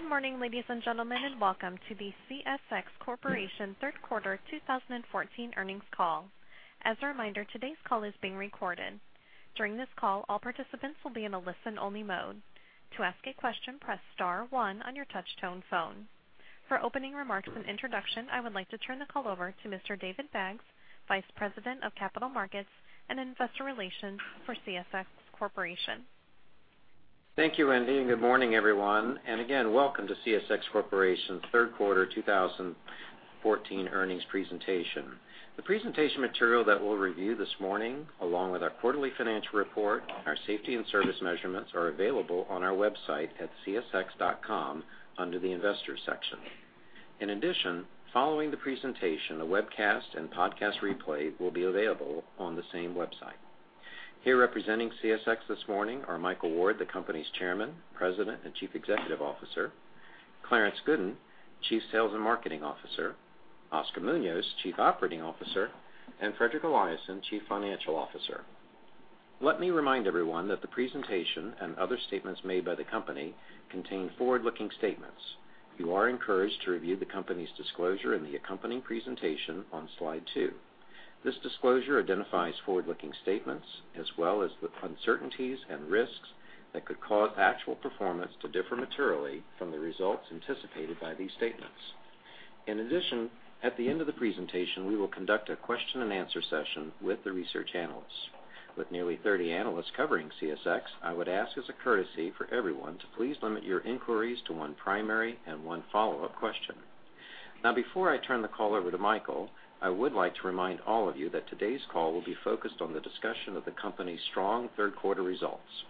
Good morning, ladies and gentlemen, and welcome to the CSX Corporation third quarter 2014 earnings call. As a reminder, today's call is being recorded. During this call, all participants will be in a listen-only mode. To ask a question, press star one on your touch-tone phone. For opening remarks and introduction, I would like to t urn the call over to Mr. David Baggs, Vice President of Capital Markets and Investor Relations for CSX Corporation. Thank you, Wendy, and good morning, everyone. Again, welcome to CSX Corporation third quarter 2014 earnings presentation. The presentation material that we'll review this morning, along with our quarterly financial report, our safety and service measurements, are available on our website at csx.com under the Investors section. In addition, following the presentation, a webcast and podcast replay will be available on the same website. Here representing CSX this morning are Michael Ward, the company's Chairman, President, and Chief Executive Officer, Clarence Gooden, Chief Sales and Marketing Officer, Oscar Munoz, Chief Operating Officer, and Fredrik Eliason, Chief Financial Officer. Let me remind everyone that the presentation and other statements made by the company contain forward-looking statements. You are encouraged to review the company's disclosure in the accompanying presentation on slide two. This disclosure identifies forward-looking statements as well as the uncertainties and risks that could cause actual performance to differ materially from the results anticipated by these statements. In addition, at the end of the presentation, we will conduct a question-and-answer session with the research analysts. With nearly 30 analysts covering CSX, I would ask, as a courtesy for everyone, to please limit your inquiries to one primary and one follow-up question. Now, before I turn the call over to Michael, I would like to remind all of you that today's call will be focused on the discussion of the company's strong third quarter results.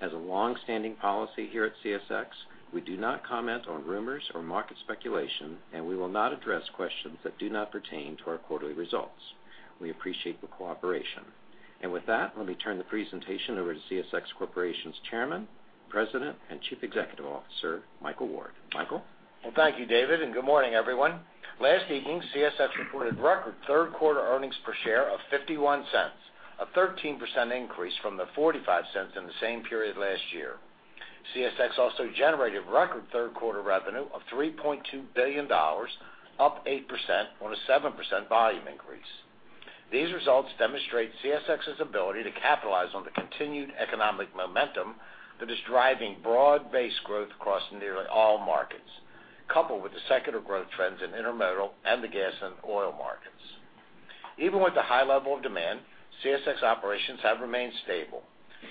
As a longstanding policy here at CSX, we do not comment on rumors or market speculation, and we will not address questions that do not pertain to our quarterly results. We appreciate the cooperation. With that, let me turn the presentation over to CSX Corporation's Chairman, President, and Chief Executive Officer, Michael Ward. Michael? Well, thank you, David, and good morning, everyone. Last evening, CSX reported record third quarter earnings per share of $0.51, a 13% increase from the $0.45 in the same period last year. CSX also generated record third quarter revenue of $3.2 billion, up 8% on a 7% volume increase. These results demonstrate CSX's ability to capitalize on the continued economic momentum that is driving broad-based growth across nearly all markets, coupled with the secular growth trends in intermodal and the gas and oil markets. Even with the high level of demand, CSX operations have remained stable.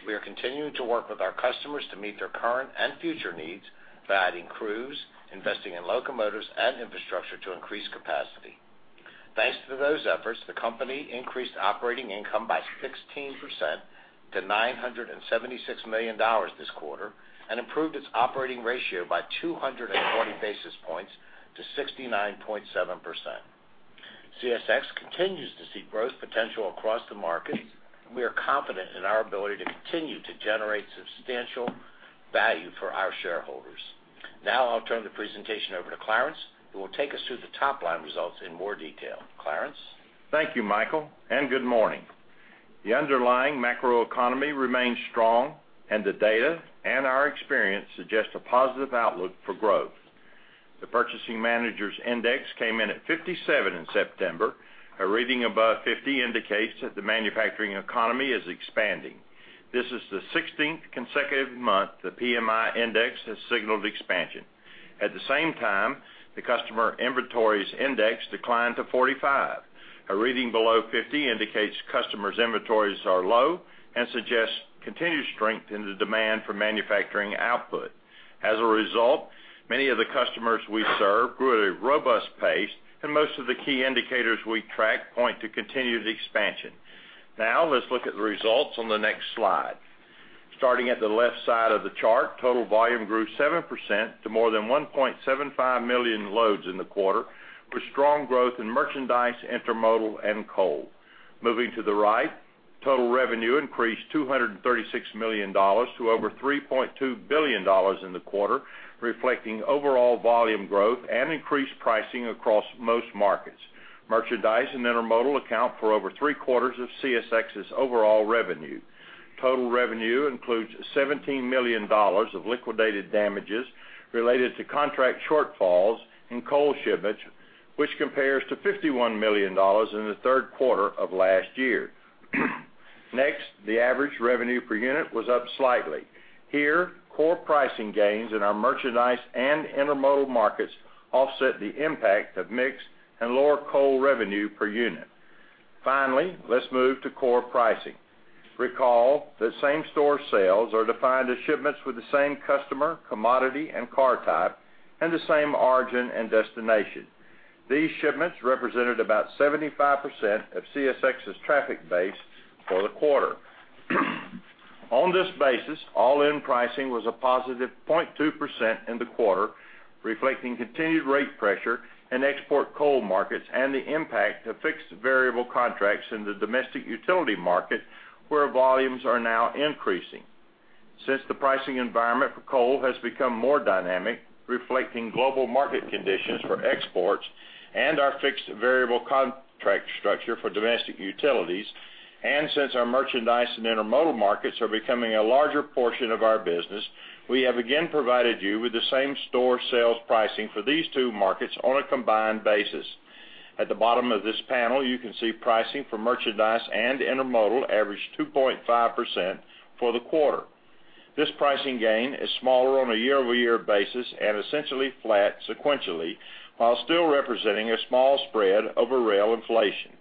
We are continuing to work with our customers to meet their current and future needs by adding crews, investing in locomotives, and infrastructure to increase capacity. Thanks to those efforts, the company increased operating income by 16% to $976 million this quarter and improved its operating ratio by 240 basis points to 69.7%. CSX continues to see growth potential across the markets, and we are confident in our ability to continue to generate substantial value for our shareholders. Now I'll turn the presentation over to Clarence, who will take us through the top-line results in more detail. Clarence? Thank you, Michael, and good morning. The underlying macroeconomy remains strong, and the data and our experience suggest a positive outlook for growth. The Purchasing Managers Index came in at 57 in September. A reading above 50 indicates that the manufacturing economy is expanding. This is the 16th consecutive month the PMI Index has signaled expansion. At the same time, the Customer Inventories Index declined to 45. A reading below 50 indicates customers' inventories are low and suggests continued strength in the demand for manufacturing output. As a result, many of the customers we serve grew at a robust pace, and most of the key indicators we track point to continued expansion. Now let's look at the results on the next slide. Starting at the left side of the chart, total volume grew 7% to more than 1.75 million loads in the quarter, with strong growth in merchandise, intermodal, and coal. Moving to the right, total revenue increased $236 million to over $3.2 billion in the quarter, reflecting overall volume growth and increased pricing across most markets. Merchandise and intermodal account for over three-quarters of CSX's overall revenue. Total revenue includes $17 million of liquidated damages related to contract shortfalls in coal shipments, which compares to $51 million in the third quarter of last year. Next, the average revenue per unit was up slightly. Here, core pricing gains in our merchandise and intermodal markets offset the impact of mixed and lower coal revenue per unit. Finally, let's move to core pricing. Recall that same-store sales are defined as shipments with the same customer, commodity, and car type, and the same origin and destination. These shipments represented about 75% of CSX's traffic base for the quarter. On this basis, all-in pricing was a positive 0.2% in the quarter, reflecting continued rate pressure in export coal markets and the impact of fixed-to-variable contracts in the domestic utility market, where volumes are now increasing. Since the pricing environment for coal has become more dynamic, reflecting global market conditions for exports and our fixed-to-variable contract structure for domestic utilities, and since our merchandise and intermodal markets are becoming a larger portion of our business, we have again provided you with the same-store sales pricing for these two markets on a combined basis. At the bottom of this panel, you can see pricing for merchandise and intermodal average 2.5% for the quarter. This pricing gain is smaller on a year-over-year basis and essentially flat sequentially, while still representing a small spread over rail inflation.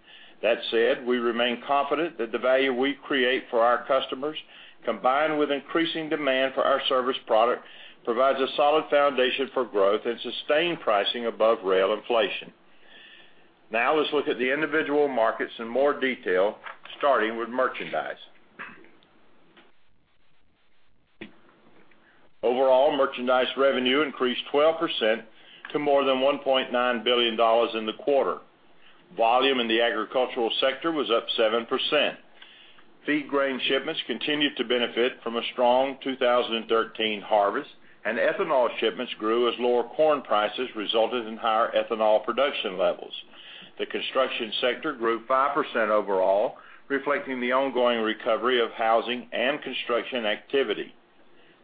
That said, we remain confident that the value we create for our customers, combined with increasing demand for our service product, provides a solid foundation for growth and sustained pricing above rail inflation. Now let's look at the individual markets in more detail, starting with merchandise. Overall, merchandise revenue increased 12% to more than $1.9 billion in the quarter. Volume in the agricultural sector was up 7%. Feed grain shipments continued to benefit from a strong 2013 harvest, and ethanol shipments grew as lower corn prices resulted in higher ethanol production levels. The construction sector grew 5% overall, reflecting the ongoing recovery of housing and construction activity.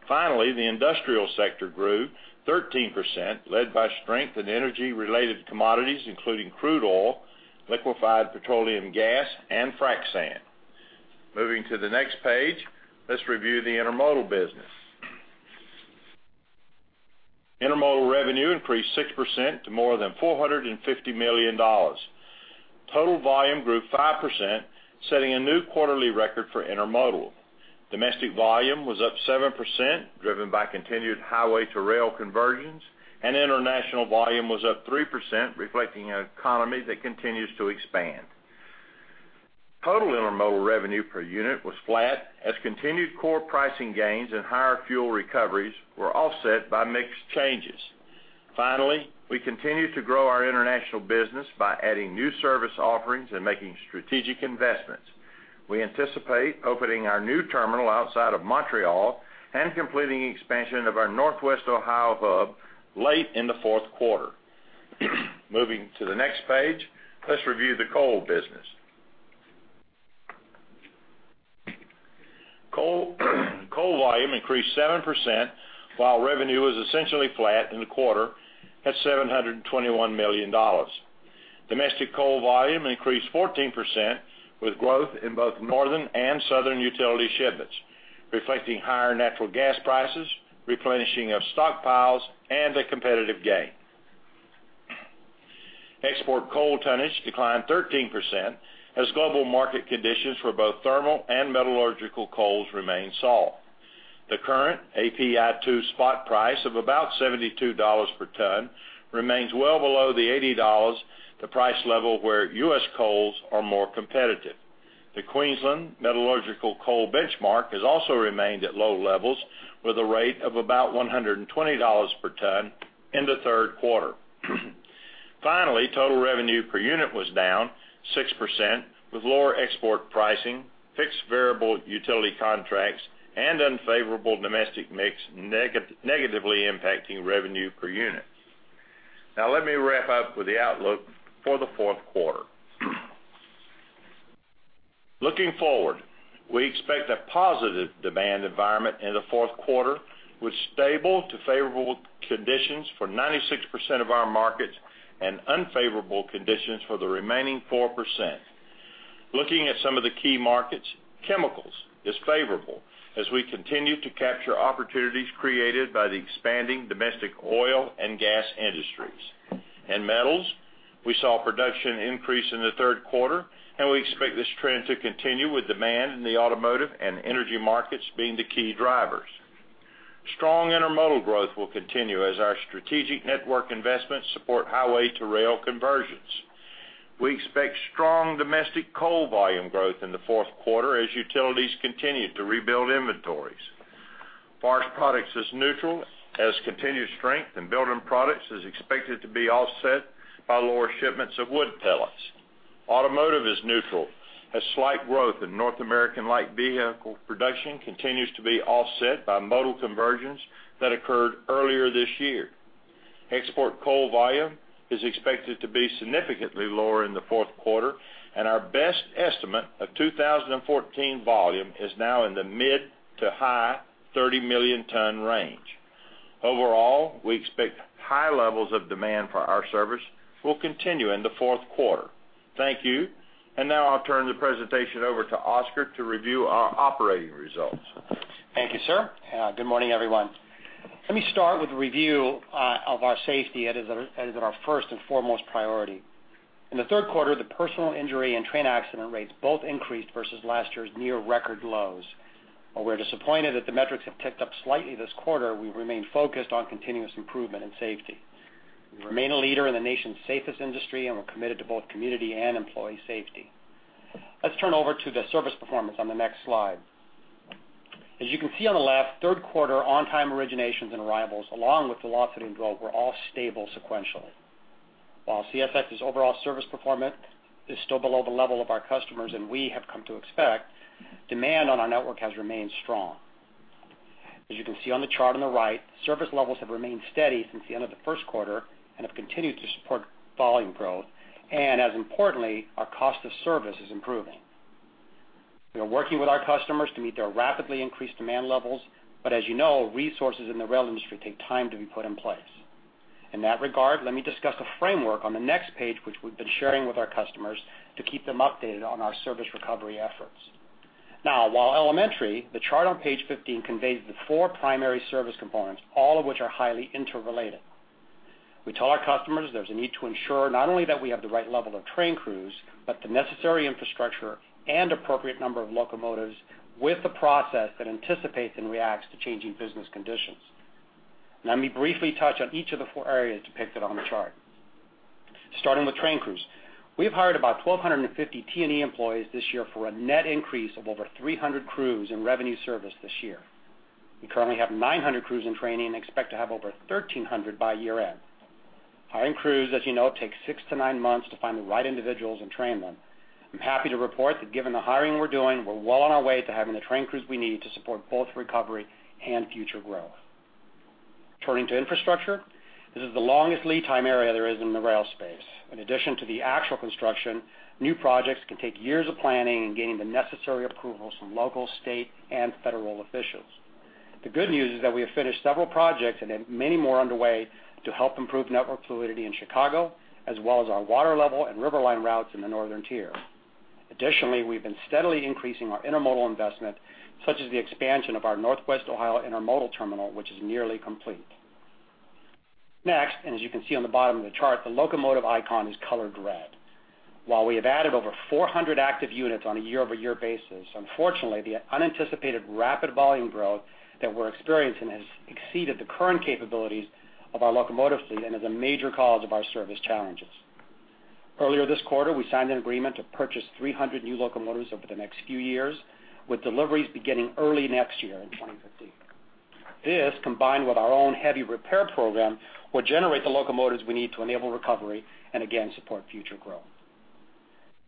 Finally, the industrial sector grew 13%, led by strength in energy-related commodities including crude oil, liquefied petroleum gas, and frac sand. Moving to the next page, let's review the intermodal business. Intermodal revenue increased 6% to more than $450 million. Total volume grew 5%, setting a new quarterly record for intermodal. Domestic volume was up 7%, driven by continued highway-to-rail conversions, and international volume was up 3%, reflecting an economy that continues to expand. Total intermodal revenue per unit was flat as continued core pricing gains and higher fuel recoveries were offset by mixed changes. Finally, we continue to grow our international business by adding new service offerings and making strategic investments. We anticipate opening our new terminal outside of Montreal and completing expansion of our Northwest Ohio hub late in the fourth quarter. Moving to the next page, let's review the coal business. Coal volume increased 7%, while revenue was essentially flat in the quarter at $721 million. Domestic coal volume increased 14% with growth in both northern and southern utility shipments, reflecting higher natural gas prices, replenishing of stockpiles, and a competitive gain. Export coal tonnage declined 13% as global market conditions for both thermal and metallurgical coals remain soft. The current API-2 spot price of about $72 per ton remains well below the $80, the price level where U.S. coals are more competitive. The Queensland Metallurgical Coal Benchmark has also remained at low levels with a rate of about $120 per ton in the third quarter. Finally, total revenue per unit was down 6% with lower export pricing, fixed-to-variable utility contracts, and unfavorable domestic mix negatively impacting revenue per unit. Now let me wrap up with the outlook for the fourth quarter. Looking forward, we expect a positive demand environment in the fourth quarter with stable to favorable conditions for 96% of our markets and unfavorable conditions for the remaining 4%. Looking at some of the key markets, chemicals is favorable as we continue to capture opportunities created by the expanding domestic oil and gas industries. In metals, we saw production increase in the third quarter, and we expect this trend to continue with demand in the automotive and energy markets being the key drivers. Strong intermodal growth will continue as our strategic network investments support highway-to-rail conversions. We expect strong domestic coal volume growth in the fourth quarter as utilities continue to rebuild inventories. Forest Products is neutral as continued strength in building products is expected to be offset by lower shipments of wood pallets. Automotive is neutral as slight growth in North American light vehicle production continues to be offset by modal conversions that occurred earlier this year. Export coal volume is expected to be significantly lower in the fourth quarter, and our best estimate of 2014 volume is now in the mid- to high-30 million ton range. Overall, we expect high levels of demand for our service will continue in the fourth quarter. Thank you, and now I'll turn the presentation over to Oscar to review our operating results. Thank you, sir. Good morning, everyone. Let me start with a review of our safety as it is our first and foremost priority. In the third quarter, the personal injury and train accident rates both increased versus last year's near-record lows. While we're disappointed that the metrics have ticked up slightly this quarter, we remain focused on continuous improvement and safety. We remain a leader in the nation's safest industry and we're committed to both community and employee safety. Let's turn over to the service performance on the next slide. As you can see on the left, third quarter on-time originations and arrivals, along with velocity and growth, were all stable sequentially. While CSX's overall service performance is still below the level of our customers and we have come to expect, demand on our network has remained strong. As you can see on the chart on the right, service levels have remained steady since the end of the first quarter and have continued to support volume growth, and as importantly, our cost of service is improving. We are working with our customers to meet their rapidly increased demand levels, but as you know, resources in the rail industry take time to be put in place. In that regard, let me discuss a framework on the next page, which we've been sharing with our customers, to keep them updated on our service recovery efforts. Now, while elementary, the chart on page 15 conveys the four primary service components, all of which are highly interrelated. We tell our customers there's a need to ensure not only that we have the right level of train crews, but the necessary infrastructure and appropriate number of locomotives with a process that anticipates and reacts to changing business conditions. Let me briefly touch on each of the four areas depicted on the chart. Starting with train crews, we've hired about 1,250 T&E employees this year for a net increase of over 300 crews in revenue service this year. We currently have 900 crews in training and expect to have over 1,300 by year-end. Hiring crews, as you know, takes six to nine months to find the right individuals and train them. I'm happy to report that given the hiring we're doing, we're well on our way to having the train crews we need to support both recovery and future growth. Turning to infrastructure, this is the longest lead-time area there is in the rail space. In addition to the actual construction, new projects can take years of planning and gaining the necessary approvals from local, state, and federal officials. The good news is that we have finished several projects and have many more underway to help improve network fluidity in Chicago, as well as our Water Level and River Line routes in the Northern Tier. Additionally, we've been steadily increasing our intermodal investment, such as the expansion of our Northwest Ohio intermodal terminal, which is nearly complete. Next, and as you can see on the bottom of the chart, the locomotive icon is colored red. While we have added over 400 active units on a year-over-year basis, unfortunately, the unanticipated rapid volume growth that we're experiencing has exceeded the current capabilities of our locomotive fleet and is a major cause of our service challenges. Earlier this quarter, we signed an agreement to purchase 300 new locomotives over the next few years, with deliveries beginning early next year in 2015. This, combined with our own heavy repair program, will generate the locomotives we need to enable recovery and, again, support future growth.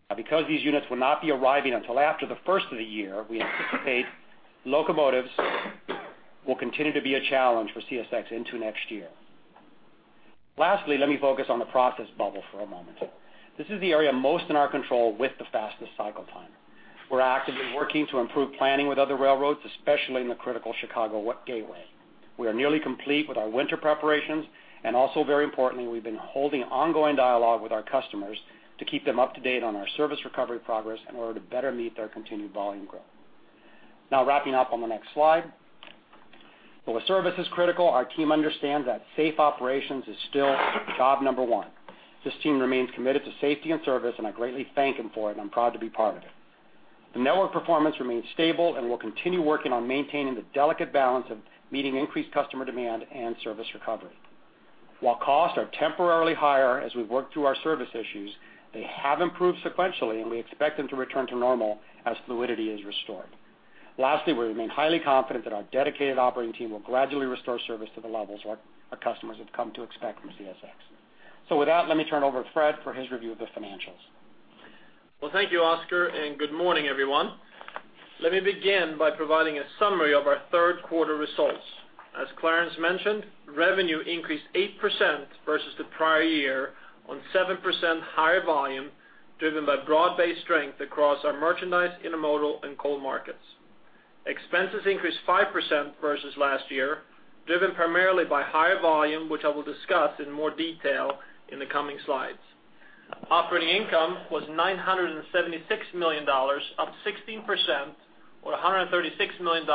Now, because these units will not be arriving until after the first of the year, we anticipate locomotives will continue to be a challenge for CSX into next year. Lastly, let me focus on the process bubble for a moment. This is the area most in our control with the fastest cycle time. We're actively working to improve planning with other railroads, especially in the critical Chicago Gateway. We are nearly complete with our winter preparations, and also very importantly, we've been holding ongoing dialogue with our customers to keep them up to date on our service recovery progress in order to better meet their continued volume growth. Now, wrapping up on the next slide. Though service is critical, our team understands that safe operations is still job number one. This team remains committed to safety and service, and I greatly thank them for it, and I'm proud to be part of it. The network performance remains stable and we'll continue working on maintaining the delicate balance of meeting increased customer demand and service recovery. While costs are temporarily higher as we work through our service issues, they have improved sequentially, and we expect them to return to normal as fluidity is restored. Lastly, we remain highly confident that our dedicated operating team will gradually restore service to the levels our customers have come to expect from CSX. So with that, let me turn over to Fred for his review of the financials. Well, thank you, Oscar, and good morning, everyone. Let me begin by providing a summary of our third quarter results. As Clarence mentioned, revenue increased 8% versus the prior year on 7% higher volume, driven by broad-based strength across our merchandise, intermodal, and coal markets. Expenses increased 5% versus last year, driven primarily by higher volume, which I will discuss in more detail in the coming slides. Operating income was $976 million, up 16%, or $136 million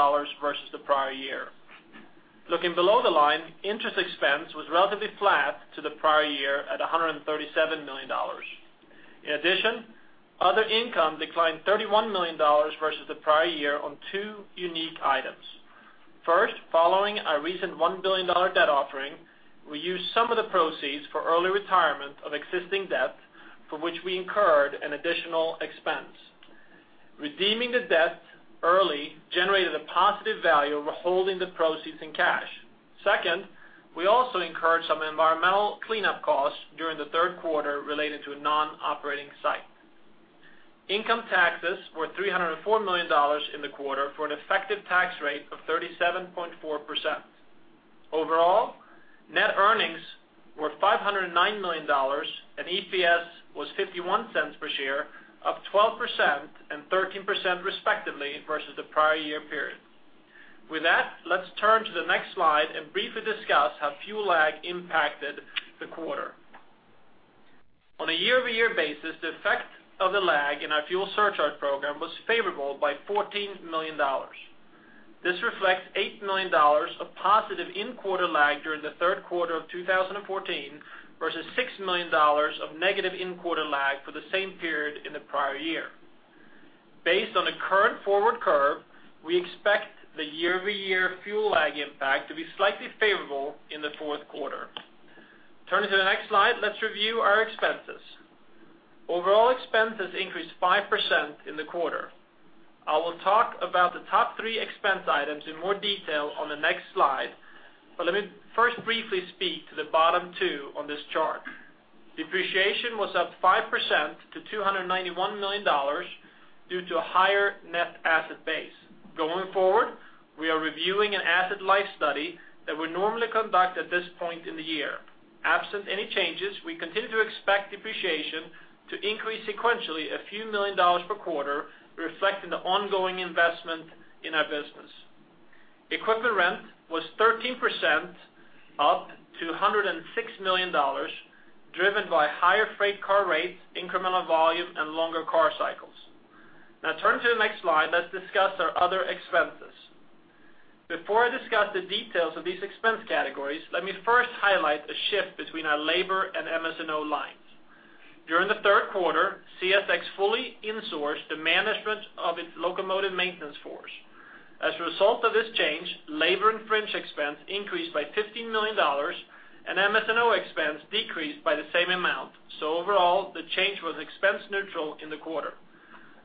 versus the prior year. Looking below the line, interest expense was relatively flat to the prior year at $137 million. In addition, other income declined $31 million versus the prior year on two unique items. First, following a recent $1 billion debt offering, we used some of the proceeds for early retirement of existing debt, for which we incurred an additional expense. Redeeming the debt early generated a positive value of holding the proceeds in cash. Second, we also incurred some environmental cleanup costs during the third quarter related to a non-operating site. Income taxes were $304 million in the quarter for an effective tax rate of 37.4%. Overall, net earnings were $509 million, and EPS was $0.51 per share, up 12% and 13% respectively versus the prior year period. With that, let's turn to the next slide and briefly discuss how fuel lag impacted the quarter. On a year-over-year basis, the effect of the lag in our fuel surcharge program was favorable by $14 million. This reflects $8 million of positive in-quarter lag during the third quarter of 2014 versus $6 million of negative in-quarter lag for the same period in the prior year. Based on the current forward curve, we expect the year-over-year fuel lag impact to be slightly favorable in the fourth quarter. Turning to the next slide, let's review our expenses. Overall expenses increased 5% in the quarter. I will talk about the top three expense items in more detail on the next slide, but let me first briefly speak to the bottom two on this chart. Depreciation was up 5% to $291 million due to a higher net asset base. Going forward, we are reviewing an asset life study that we normally conduct at this point in the year. Absent any changes, we continue to expect depreciation to increase sequentially a few million dollars per quarter, reflecting the ongoing investment in our business. Equipment rent was 13%, up to $106 million, driven by higher freight car rates, incremental volume, and longer car cycles. Now, turning to the next slide, let's discuss our other expenses. Before I discuss the details of these expense categories, let me first highlight a shift between our Labor and Fringe and MS&O lines. During the third quarter, CSX fully insourced the management of its locomotive maintenance force. As a result of this change, Labor and Fringe expense increased by $15 million, and MS&O expense decreased by the same amount. So overall, the change was expense-neutral in the quarter.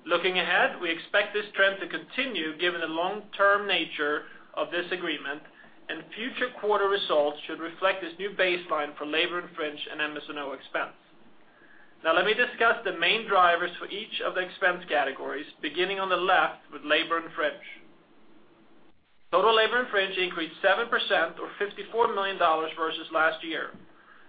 Looking ahead, we expect this trend to continue given the long-term nature of this agreement, and future quarter results should reflect this new baseline for Labor and Fringe and MS&O expense. Now, let me discuss the main drivers for each of the expense categories, beginning on the left with Labor and Fringe. Total Labor and Fringe increased 7%, or $54 million, versus last year.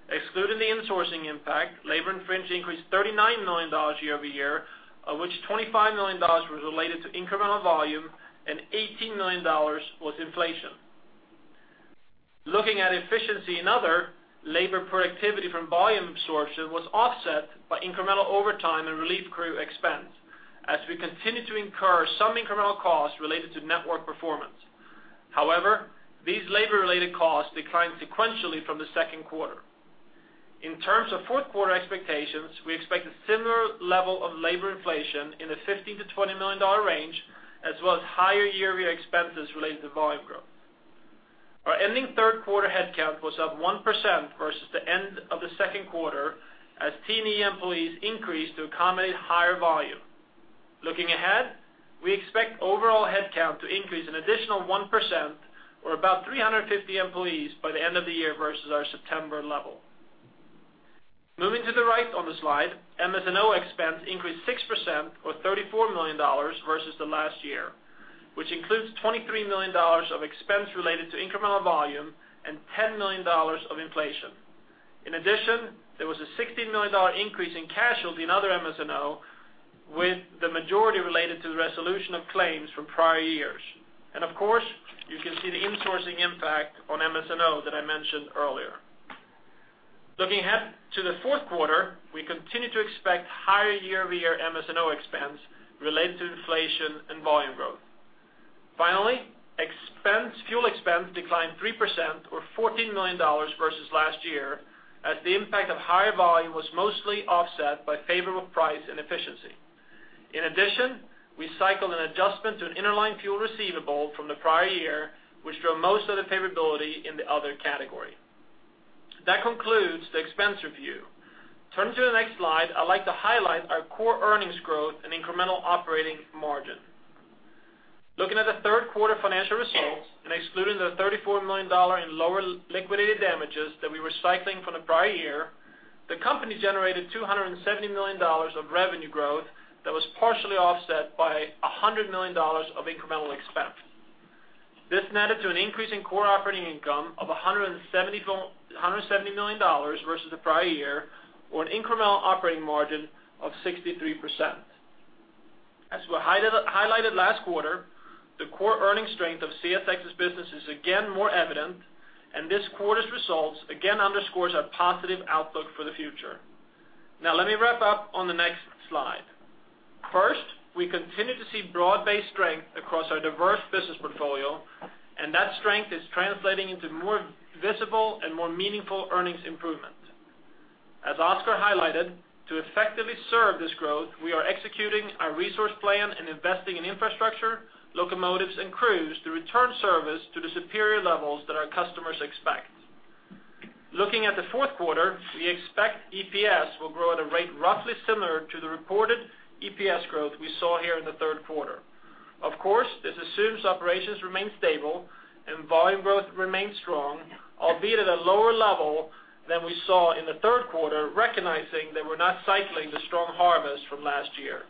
Excluding the insourcing impact, labor and fringe increased $39 million year-over-year, of which $25 million was related to incremental volume and $18 million was inflation. Looking at efficiency in other, labor productivity from volume absorption was offset by incremental overtime and relief crew expense, as we continue to incur some incremental costs related to network performance. However, these labor-related costs declined sequentially from the second quarter. In terms of fourth quarter expectations, we expect a similar level of labor inflation in the $15-$20 million range, as well as higher year-over-year expenses related to volume growth. Our ending third quarter headcount was up 1% versus the end of the second quarter, as T&E employees increased to accommodate higher volume. Looking ahead, we expect overall headcount to increase an additional 1%, or about 350 employees by the end of the year versus our September level. Moving to the right on the slide, MS&O expense increased 6%, or $34 million, versus the last year, which includes $23 million of expense related to incremental volume and $10 million of inflation. In addition, there was a $16 million increase in cash holding other MS&O, with the majority related to the resolution of claims from prior years. And of course, you can see the insourcing impact on MS&O that I mentioned earlier. Looking ahead to the fourth quarter, we continue to expect higher year-over-year MS&O expense related to inflation and volume growth. Finally, fuel expense declined 3%, or $14 million, versus last year, as the impact of higher volume was mostly offset by favorable price and efficiency. In addition, we cycled an adjustment to an interline fuel receivable from the prior year, which drove most of the favorability in the other category. That concludes the expense review. Turning to the next slide, I'd like to highlight our core earnings growth and incremental operating margin. Looking at the third quarter financial results and excluding the $34 million in lower liquidated damages that we were cycling from the prior year, the company generated $270 million of revenue growth that was partially offset by $100 million of incremental expense. This netted to an increase in core operating income of $170 million versus the prior year, or an incremental operating margin of 63%. As we highlighted last quarter, the core earnings strength of CSX's business is again more evident, and this quarter's results again underscore our positive outlook for the future. Now, let me wrap up on the next slide. First, we continue to see broad-based strength across our diverse business portfolio, and that strength is translating into more visible and more meaningful earnings improvement. As Oscar highlighted, to effectively serve this growth, we are executing our resource plan and investing in infrastructure, locomotives, and crews to return service to the superior levels that our customers expect. Looking at the fourth quarter, we expect EPS will grow at a rate roughly similar to the reported EPS growth we saw here in the third quarter. Of course, this assumes operations remain stable and volume growth remains strong, albeit at a lower level than we saw in the third quarter, recognizing that we're not cycling the strong harvest from last year.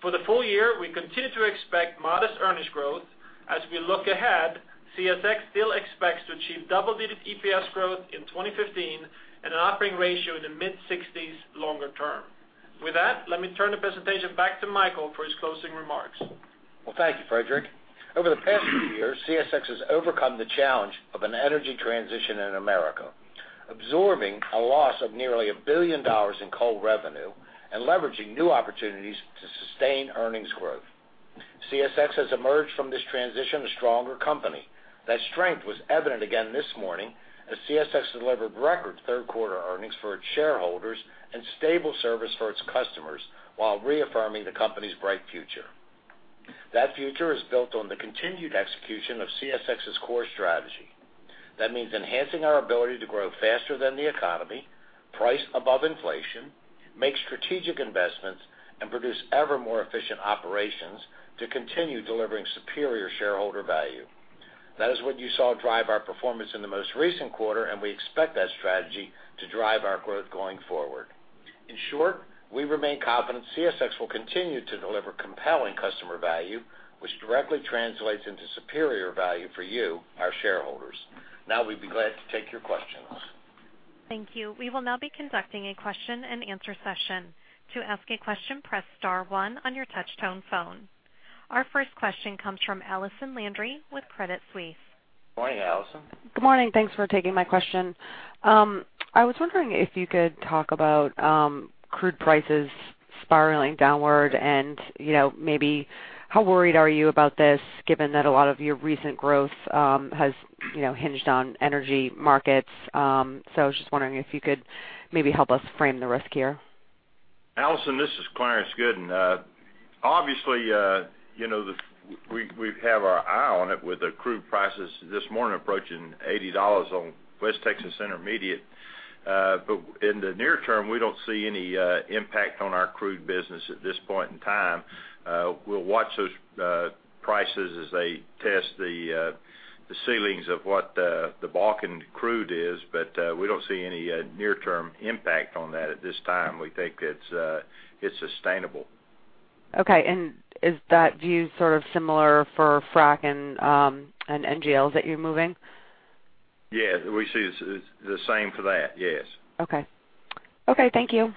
For the full year, we continue to expect modest earnings growth. As we look ahead, CSX still expects to achieve double-digit EPS growth in 2015 and an operating ratio in the mid-60s longer term. With that, let me turn the presentation back to Michael for his closing remarks. Well, thank you, Fredrik. Over the past few years, CSX has overcome the challenge of an energy transition in America, absorbing a loss of nearly $1 billion in coal revenue and leveraging new opportunities to sustain earnings growth. CSX has emerged from this transition a stronger company. That strength was evident again this morning as CSX delivered record third quarter earnings for its shareholders and stable service for its customers while reaffirming the company's bright future. That future is built on the continued execution of CSX's core strategy. That means enhancing our ability to grow faster than the economy, price above inflation, make strategic investments, and produce ever more efficient operations to continue delivering superior shareholder value. That is what you saw drive our performance in the most recent quarter, and we expect that strategy to drive our growth going forward. In short, we remain confident CSX will continue to deliver compelling customer value, which directly translates into superior value for you, our shareholders. Now, we'd be glad to take your questions. Thank you. We will now be conducting a question and answer session. To ask a question, press star one on your touch-tone phone. Our first question comes from Allison Landry with Credit Suisse. Morning, Allison. Good morning. Thanks for taking my question. I was wondering if you could talk about crude prices spiraling downward and maybe how worried are you about this given that a lot of your recent growth has hinged on energy markets? I was just wondering if you could maybe help us frame the risk here. Allison, this is Clarence Gooden. Obviously, we have our eye on it with the crude prices this morning approaching $80 on West Texas Intermediate. But in the near term, we don't see any impact on our crude business at this point in time. We'll watch those prices as they test the ceilings of what the Bakken crude is, but we don't see any near-term impact on that at this time. We think it's sustainable. Okay. Is that view sort of similar for frac and NGLs that you're moving? Yeah. We see the same for that. Yes. Okay. Okay. Thank you.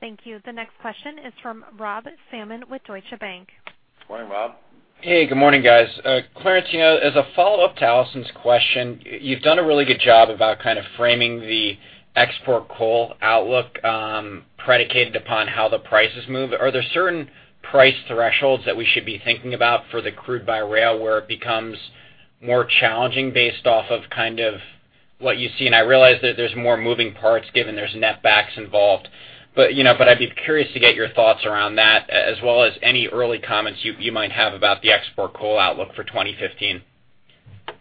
Thank you. The next question is from Rob Salmon with Deutsche Bank. Morning, Rob. Hey. Good morning, guys. Clarence, as a follow-up to Allison's question, you've done a really good job about kind of framing the export coal outlook predicated upon how the prices move. Are there certain price thresholds that we should be thinking about for the crude by rail where it becomes more challenging based off of kind of what you see? And I realize that there's more moving parts given there's netbacks involved, but I'd be curious to get your thoughts around that as well as any early comments you might have about the export coal outlook for 2015?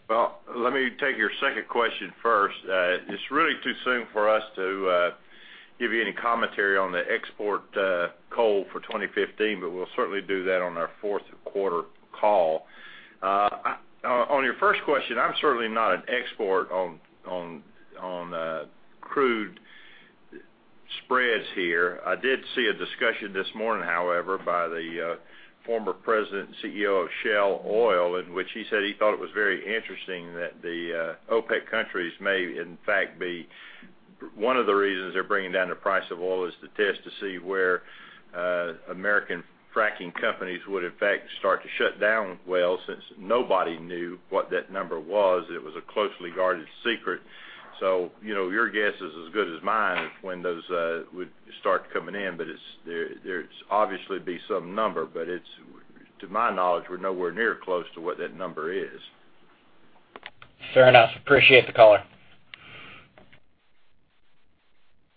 Well, let me take your second question first. It's really too soon for us to give you any commentary on the export coal for 2015, but we'll certainly do that on our fourth quarter call. On your first question, I'm certainly not an expert on crude spreads here. I did see a discussion this morning, however, by the former president and CEO of Shell Oil in which he said he thought it was very interesting that the OPEC countries may, in fact, be one of the reasons they're bringing down the price of oil is to test to see where American fracking companies would, in fact, start to shut down well since nobody knew what that number was. It was a closely guarded secret. So your guess is as good as mine when those would start coming in, but there'd obviously be some number. But to my knowledge, we're nowhere near close to what that number is. Fair enough. Appreciate the caller.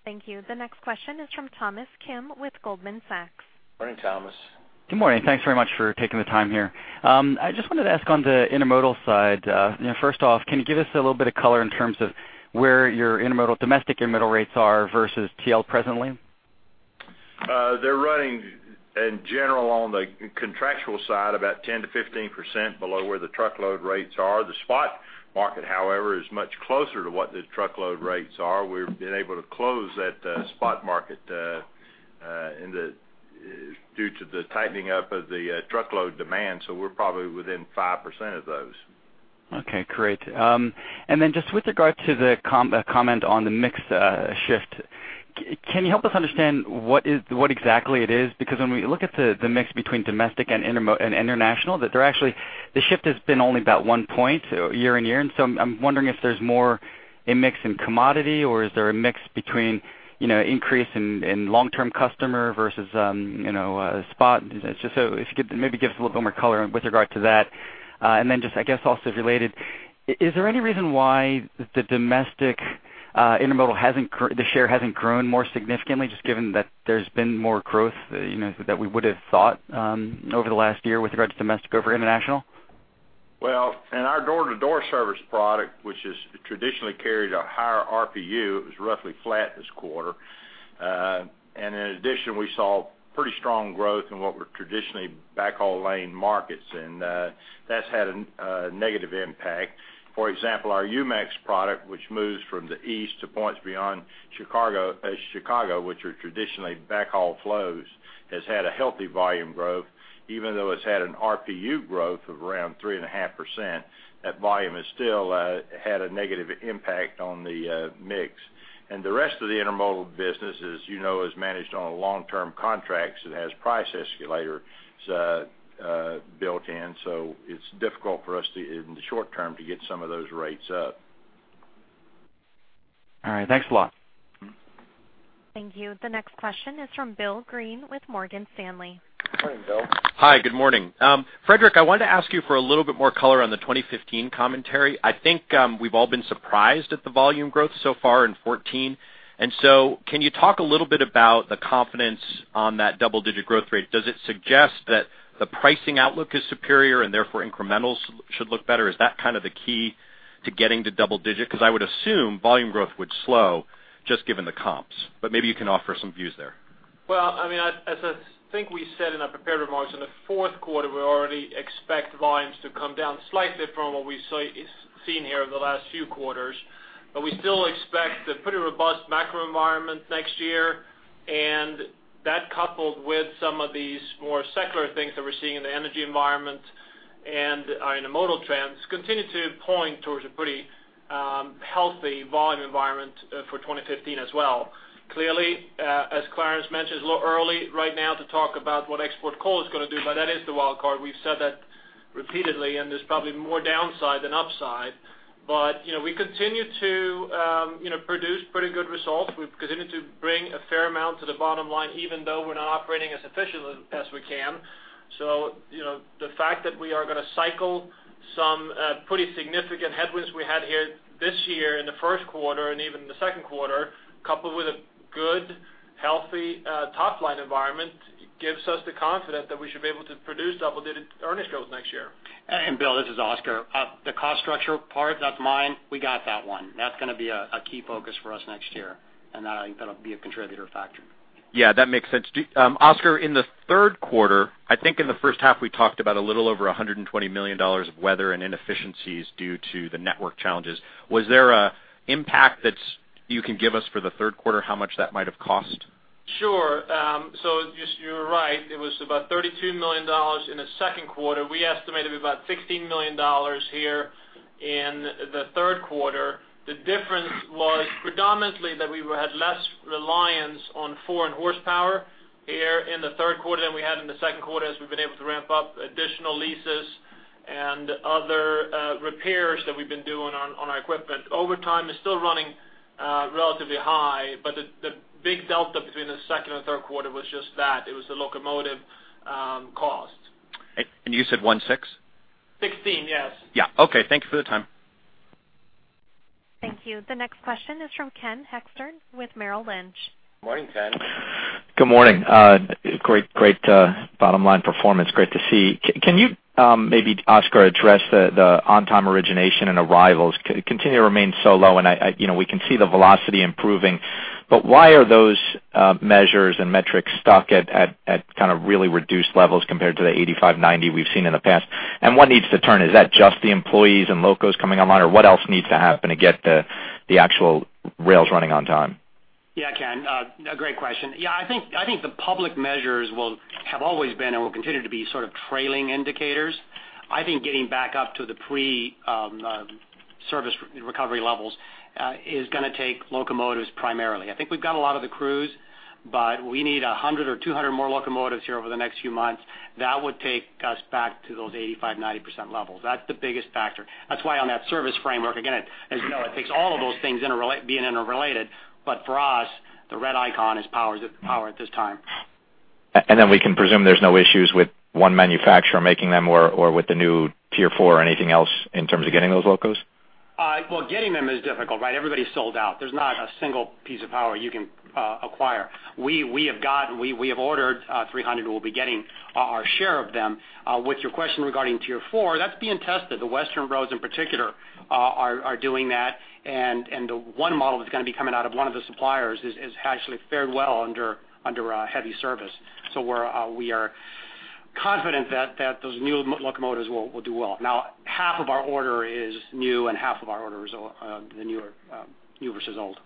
Thank you. The next question is from Thomas Kim with Goldman Sachs. Morning, Thomas. Good morning. Thanks very much for taking the time here. I just wanted to ask on the intermodal side. First off, can you give us a little bit of color in terms of where your domestic intermodal rates are versus TL presently? They're running, in general, on the contractual side about 10%-15% below where the truckload rates are. The spot market, however, is much closer to what the truckload rates are. We've been able to close that spot market due to the tightening up of the truckload demand, so we're probably within 5% of those. Okay. Great. And then just with regard to the comment on the mix shift, can you help us understand what exactly it is? Because when we look at the mix between domestic and international, the shift has been only about one point year-over-year. And so I'm wondering if there's more a mix in commodity or is there a mix between increase in long-term customer versus spot? Just so if you could maybe give us a little bit more color with regard to that. And then just, I guess, also related, is there any reason why the share hasn't grown more significantly just given that there's been more growth that we would have thought over the last year with regard to domestic over international? Well, in our door-to-door service product, which traditionally carried a higher RPU, it was roughly flat this quarter. In addition, we saw pretty strong growth in what were traditionally backhaul lane markets, and that's had a negative impact. For example, our UMAX product, which moves from the east to points beyond Chicago, which are traditionally backhaul flows, has had a healthy volume growth. Even though it's had an RPU growth of around 3.5%, that volume has still had a negative impact on the mix. The rest of the intermodal business is managed on long-term contracts that has price escalator built in, so it's difficult for us in the short term to get some of those rates up. All right. Thanks a lot. Thank you. The next question is from Bill Green with Morgan Stanley. Morning, Bill. Hi. Good morning. Fredrik, I wanted to ask you for a little bit more color on the 2015 commentary. I think we've all been surprised at the volume growth so far in 2014. And so can you talk a little bit about the confidence on that double-digit growth rate? Does it suggest that the pricing outlook is superior and therefore incrementals should look better? Is that kind of the key to getting to double-digit? Because I would assume volume growth would slow just given the comps, but maybe you can offer some views there. Well, I mean, as I think we said in our prepared remarks, in the fourth quarter, we already expect volumes to come down slightly from what we've seen here in the last few quarters. But we still expect a pretty robust macro environment next year. And that coupled with some of these more secular things that we're seeing in the energy environment and our intermodal trends continue to point towards a pretty healthy volume environment for 2015 as well. Clearly, as Clarence mentioned, it's a little early right now to talk about what export coal is going to do, but that is the wild card. We've said that repeatedly, and there's probably more downside than upside. But we continue to produce pretty good results. We've continued to bring a fair amount to the bottom line even though we're not operating as efficiently as we can. The fact that we are going to cycle some pretty significant headwinds we had here this year in the first quarter and even in the second quarter, coupled with a good, healthy top-line environment, gives us the confidence that we should be able to produce double-digit earnings growth next year. And Bill, this is Oscar. The cost structure part, that's mine. We got that one. That's going to be a key focus for us next year, and I think that'll be a contributor factor. Yeah. That makes sense. Oscar, in the third quarter, I think in the first half, we talked about a little over $120 million of weather and inefficiencies due to the network challenges. Was there an impact that you can give us for the third quarter, how much that might have cost? Sure. So you're right. It was about $32 million in the second quarter. We estimated about $16 million here in the third quarter. The difference was predominantly that we had less reliance on foreign horsepower here in the third quarter than we had in the second quarter as we've been able to ramp up additional leases and other repairs that we've been doing on our equipment. Over time, it's still running relatively high, but the big delta between the second and third quarter was just that. It was the locomotive cost. You said 16? 16. Yes. Yeah. Okay. Thank you for the time. Thank you. The next question is from Ken Hoexter with Merrill Lynch. Morning, Ken. Good morning. Great bottom-line performance. Great to see. Can you maybe, Oscar, address the on-time origination and arrivals? Continue to remain so low, and we can see the velocity improving. But why are those measures and metrics stuck at kind of really reduced levels compared to the 85, 90 we've seen in the past? And what needs to turn? Is that just the employees and locos coming online, or what else needs to happen to get the actual rails running on time? Yeah, Ken. Great question. Yeah. I think the public measures have always been and will continue to be sort of trailing indicators. I think getting back up to the pre-service recovery levels is going to take locomotives primarily. I think we've got a lot of the crews, but we need 100 or 200 more locomotives here over the next few months. That would take us back to those 85%-90% levels. That's the biggest factor. That's why on that service framework, again, as you know, it takes all of those things being interrelated. But for us, the red icon is power at this time. And then we can presume there's no issues with one manufacturer making them or with the new Tier 4 or anything else in terms of getting those locos? Well, getting them is difficult, right? Everybody's sold out. There's not a single piece of power you can acquire. We have ordered 300 and we'll be getting our share of them. With your question regarding Tier 4, that's being tested. The Western roads in particular are doing that. And the one model that's going to be coming out of one of the suppliers has actually fared well under heavy service. So we are confident that those new locomotives will do well. Now, half of our order is new, and half of our order is the newer versus old.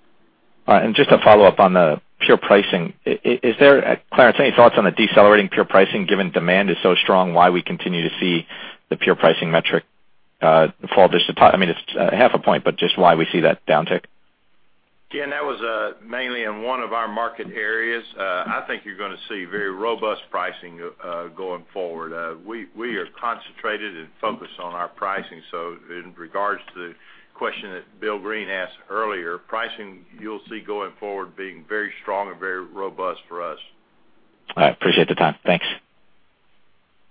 All right. And just a follow-up on the pure pricing. Clarence, any thoughts on the decelerating pure pricing given demand is so strong? Why we continue to see the pure pricing metric fall? I mean, it's half a point, but just why we see that downtick? Ken, that was mainly in one of our market areas. I think you're going to see very robust pricing going forward. We are concentrated and focused on our pricing. So in regards to the question that Bill Green asked earlier, pricing, you'll see going forward being very strong and very robust for us. All right. Appreciate the time. Thanks.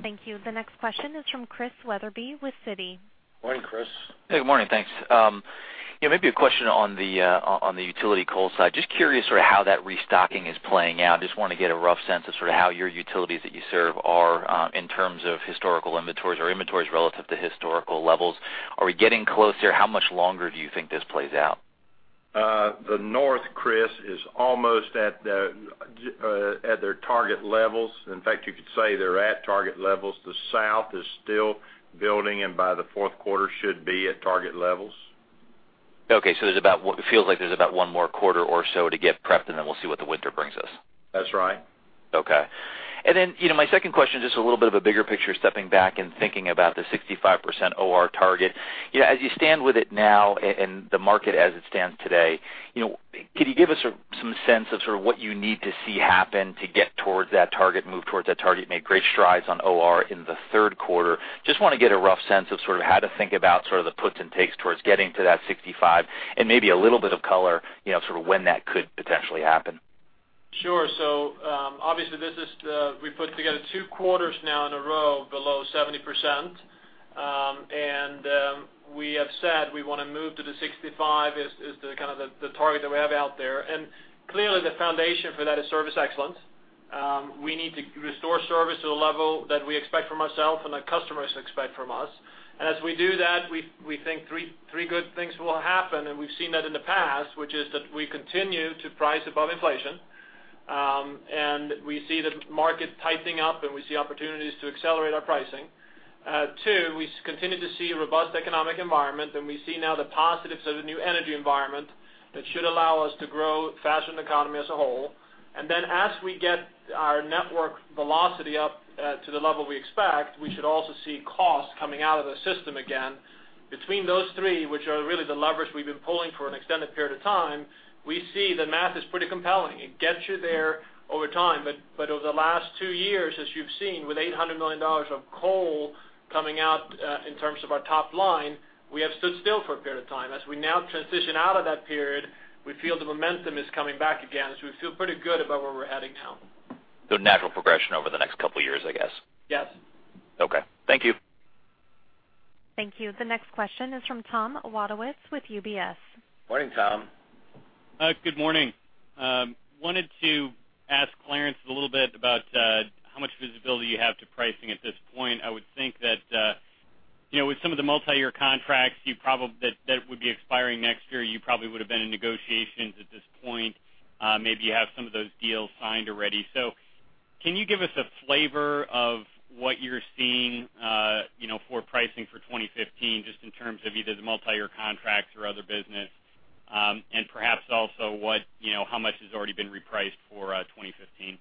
Thank you. The next question is from Chris Weatherby with Citi. Morning, Chris. Hey. Good morning. Thanks. Maybe a question on the utility coal side. Just curious sort of how that restocking is playing out. Just want to get a rough sense of sort of how your utilities that you serve are in terms of historical inventories or inventories relative to historical levels. Are we getting closer? How much longer do you think this plays out? The north, Chris, is almost at their target levels. In fact, you could say they're at target levels. The south is still building and by the fourth quarter should be at target levels. Okay. So it feels like there's about one more quarter or so to get prepped, and then we'll see what the winter brings us. That's right. Okay. And then my second question, just a little bit of a bigger picture, stepping back and thinking about the 65% OR target. As you stand with it now and the market as it stands today, could you give us some sense of sort of what you need to see happen to get towards that target, move towards that target? You made great strides on OR in the third quarter. Just want to get a rough sense of sort of how to think about sort of the puts and takes towards getting to that 65 and maybe a little bit of color of sort of when that could potentially happen. Sure. So obviously, we put together two quarters now in a row below 70%. And we have said we want to move to the 65, is kind of the target that we have out there. And clearly, the foundation for that is service excellence. We need to restore service to the level that we expect from ourselves and that customers expect from us. And as we do that, we think three good things will happen. And we've seen that in the past, which is that we continue to price above inflation, and we see the market tightening up, and we see opportunities to accelerate our pricing. Two, we continue to see a robust economic environment, and we see now the positives of a new energy environment that should allow us to grow faster in the economy as a whole. Then as we get our network velocity up to the level we expect, we should also see costs coming out of the system again. Between those three, which are really the levers we've been pulling for an extended period of time, we see the math is pretty compelling. It gets you there over time. But over the last two years, as you've seen, with $800 million of coal coming out in terms of our top line, we have stood still for a period of time. As we now transition out of that period, we feel the momentum is coming back again. We feel pretty good about where we're heading now. Natural progression over the next couple of years, I guess. Yes. Okay. Thank you. Thank you. The next question is from Tom Wadewitz with UBS. Morning, Tom. Good morning. Wanted to ask Clarence a little bit about how much visibility you have to pricing at this point. I would think that with some of the multi-year contracts that would be expiring next year, you probably would have been in negotiations at this point. Maybe you have some of those deals signed already. So can you give us a flavor of what you're seeing for pricing for 2015 just in terms of either the multi-year contracts or other business and perhaps also how much has already been repriced for 2015?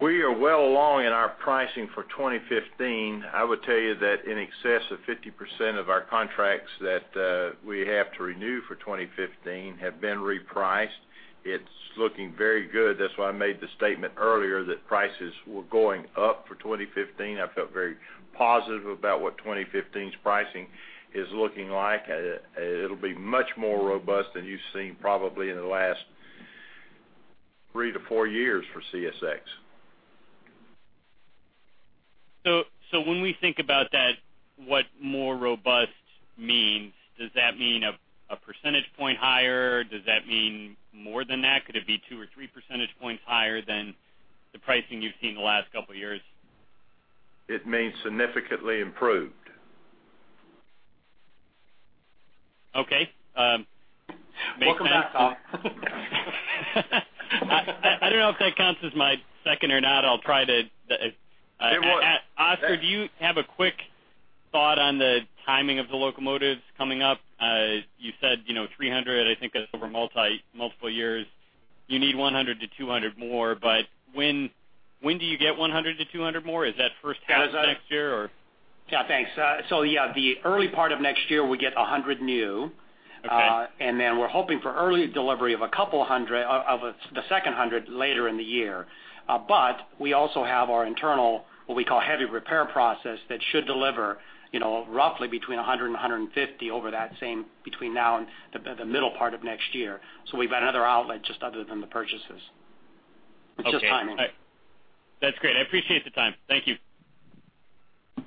We are well along in our pricing for 2015. I would tell you that in excess of 50% of our contracts that we have to renew for 2015 have been repriced. It's looking very good. That's why I made the statement earlier that prices were going up for 2015. I felt very positive about what 2015's pricing is looking like. It'll be much more robust than you've seen probably in the last 3-4 years for CSX. So when we think about that, what more robust means, does that mean a percentage point higher? Does that mean more than that? Could it be 2 or 3 percentage points higher than the pricing you've seen the last couple of years? It means significantly improved. Okay. Makes sense. Welcome back, Tom. I don't know if that counts as my second or not. I'll try to. It was. Oscar, do you have a quick thought on the timing of the locomotives coming up? You said 300. I think that's over multiple years. You need 100-200 more. But when do you get 100-200 more? Is that first half of next year, or? Yeah. Thanks. So yeah, the early part of next year, we get 100 new. And then we're hoping for early delivery of a couple hundred of the second hundred later in the year. But we also have our internal, what we call, heavy repair process that should deliver roughly between 100 and 150 over that same between now and the middle part of next year. So we've got another outlet just other than the purchases. It's just timing. Okay. That's great. I appreciate the time. Thank you.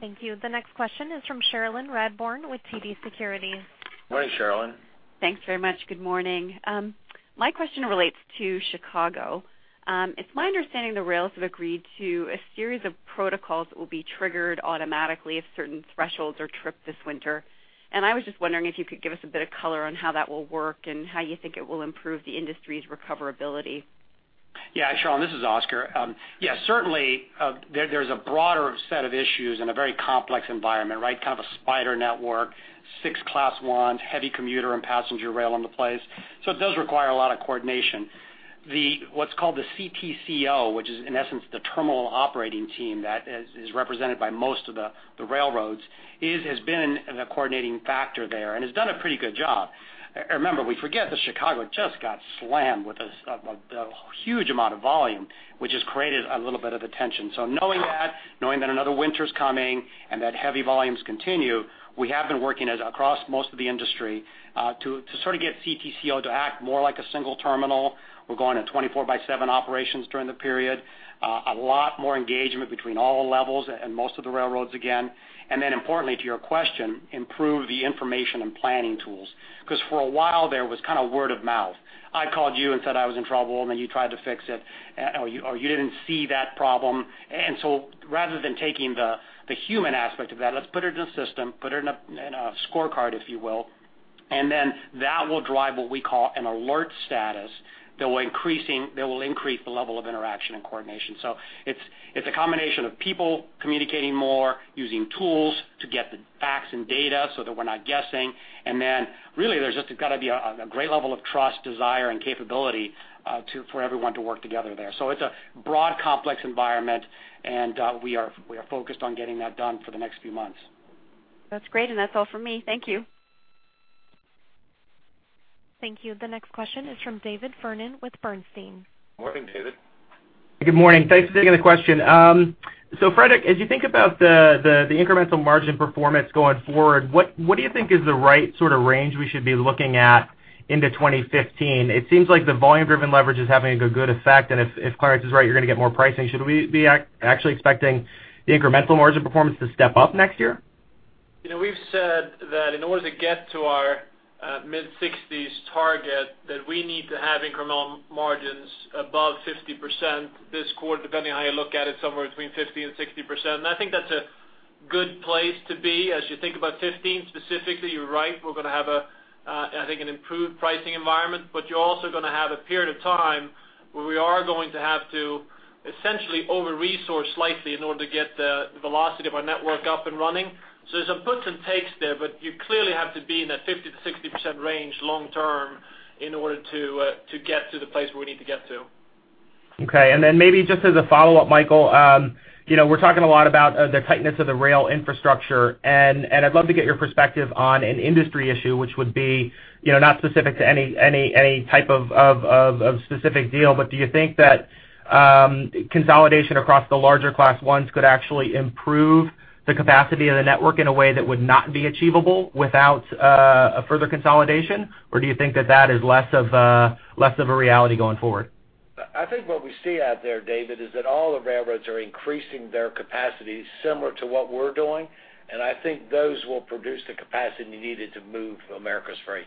Thank you. The next question is from Cherilyn Radbourne with TD Securities. Morning, Cherilyn. Thanks very much. Good morning. My question relates to Chicago. It's my understanding the rails have agreed to a series of protocols that will be triggered automatically if certain thresholds are tripped this winter. I was just wondering if you could give us a bit of color on how that will work and how you think it will improve the industry's recoverability. Yeah. Cherilyn, this is Oscar. Yeah. Certainly, there's a broader set of issues in a very complex environment, right? Kind of a spider network, six Class Ones, heavy commuter and passenger rail in the place. So it does require a lot of coordination. What's called the CTCO, which is in essence the terminal operating team that is represented by most of the railroads, has been the coordinating factor there and has done a pretty good job. Remember, we forget that Chicago just got slammed with a huge amount of volume, which has created a little bit of attention. So knowing that, knowing that another winter's coming and that heavy volumes continue, we have been working across most of the industry to sort of get CTCO to act more like a single terminal. We're going to 24/7 operations during the period, a lot more engagement between all levels and most of the railroads again. And then importantly, to your question, improve the information and planning tools because for a while, there was kind of word of mouth. I called you and said I was in trouble, and then you tried to fix it, or you didn't see that problem. And so rather than taking the human aspect of that, let's put it in a system, put it in a scorecard, if you will. And then that will drive what we call an alert status that will increase the level of interaction and coordination. So it's a combination of people communicating more, using tools to get the facts and data so that we're not guessing. Then really, there's just got to be a great level of trust, desire, and capability for everyone to work together there. It's a broad, complex environment, and we are focused on getting that done for the next few months. That's great. That's all from me. Thank you. Thank you. The next question is from David Vernon with Bernstein. Morning, David. Good morning. Thanks for taking the question. So Fredrik, as you think about the incremental margin performance going forward, what do you think is the right sort of range we should be looking at into 2015? It seems like the volume-driven leverage is having a good effect. And if Clarence is right, you're going to get more pricing. Should we be actually expecting the incremental margin performance to step up next year? We've said that in order to get to our mid-60s target, that we need to have incremental margins above 50% this quarter, depending on how you look at it, somewhere between 50%-60%. I think that's a good place to be. As you think about 2015 specifically, you're right. We're going to have, I think, an improved pricing environment. But you're also going to have a period of time where we are going to have to essentially over-resource slightly in order to get the velocity of our network up and running. So there's some puts and takes there, but you clearly have to be in that 50%-60% range long-term in order to get to the place where we need to get to. Okay. Then maybe just as a follow-up, Michael, we're talking a lot about the tightness of the rail infrastructure. I'd love to get your perspective on an industry issue, which would be not specific to any type of specific deal, but do you think that consolidation across the larger Class Ones could actually improve the capacity of the network in a way that would not be achievable without further consolidation? Or do you think that that is less of a reality going forward? I think what we see out there, David, is that all the railroads are increasing their capacity similar to what we're doing. And I think those will produce the capacity needed to move America's freight.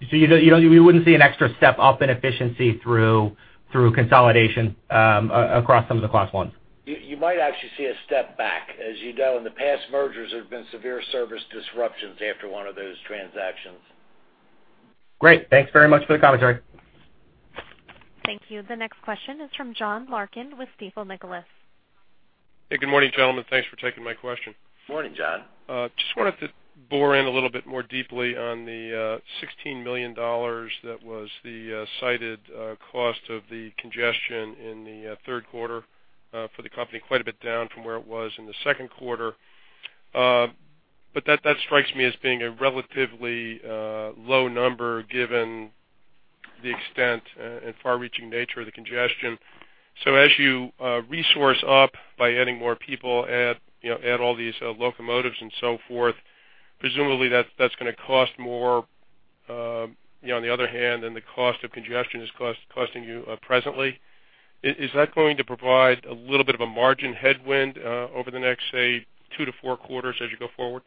You wouldn't see an extra step up in efficiency through consolidation across some of the Class Ones? You might actually see a step back. As you know, in the past, mergers have been severe service disruptions after one of those transactions. Great. Thanks very much for the commentary. Thank you. The next question is from John Larkin with Stifel Nicolaus. Hey. Good morning, gentlemen. Thanks for taking my question. Morning, John. Just wanted to bore in a little bit more deeply on the $16 million that was the cited cost of the congestion in the third quarter for the company, quite a bit down from where it was in the second quarter. But that strikes me as being a relatively low number given the extent and far-reaching nature of the congestion. So as you resource up by adding more people, add all these locomotives and so forth, presumably, that's going to cost more, on the other hand, than the cost of congestion is costing you presently. Is that going to provide a little bit of a margin headwind over the next, say, two to four quarters as you go forward?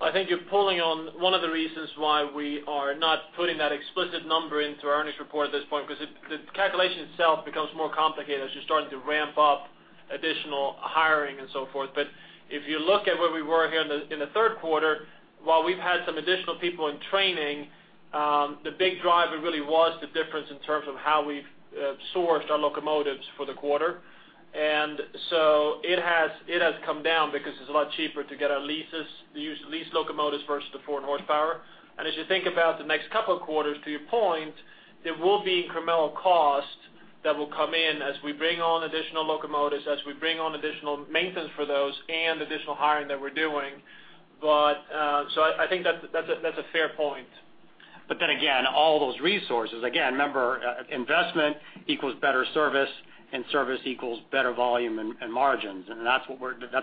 I think you're pulling on one of the reasons why we are not putting that explicit number into our earnings report at this point because the calculation itself becomes more complicated as you're starting to ramp up additional hiring and so forth. But if you look at where we were here in the third quarter, while we've had some additional people in training, the big driver really was the difference in terms of how we've sourced our locomotives for the quarter. And so it has come down because it's a lot cheaper to get our leased locomotives versus the foreign power. And as you think about the next couple of quarters, to your point, there will be incremental costs that will come in as we bring on additional locomotives, as we bring on additional maintenance for those, and additional hiring that we're doing. I think that's a fair point. But then again, all those resources, again, remember, investment equals better service, and service equals better volume and margins. And that's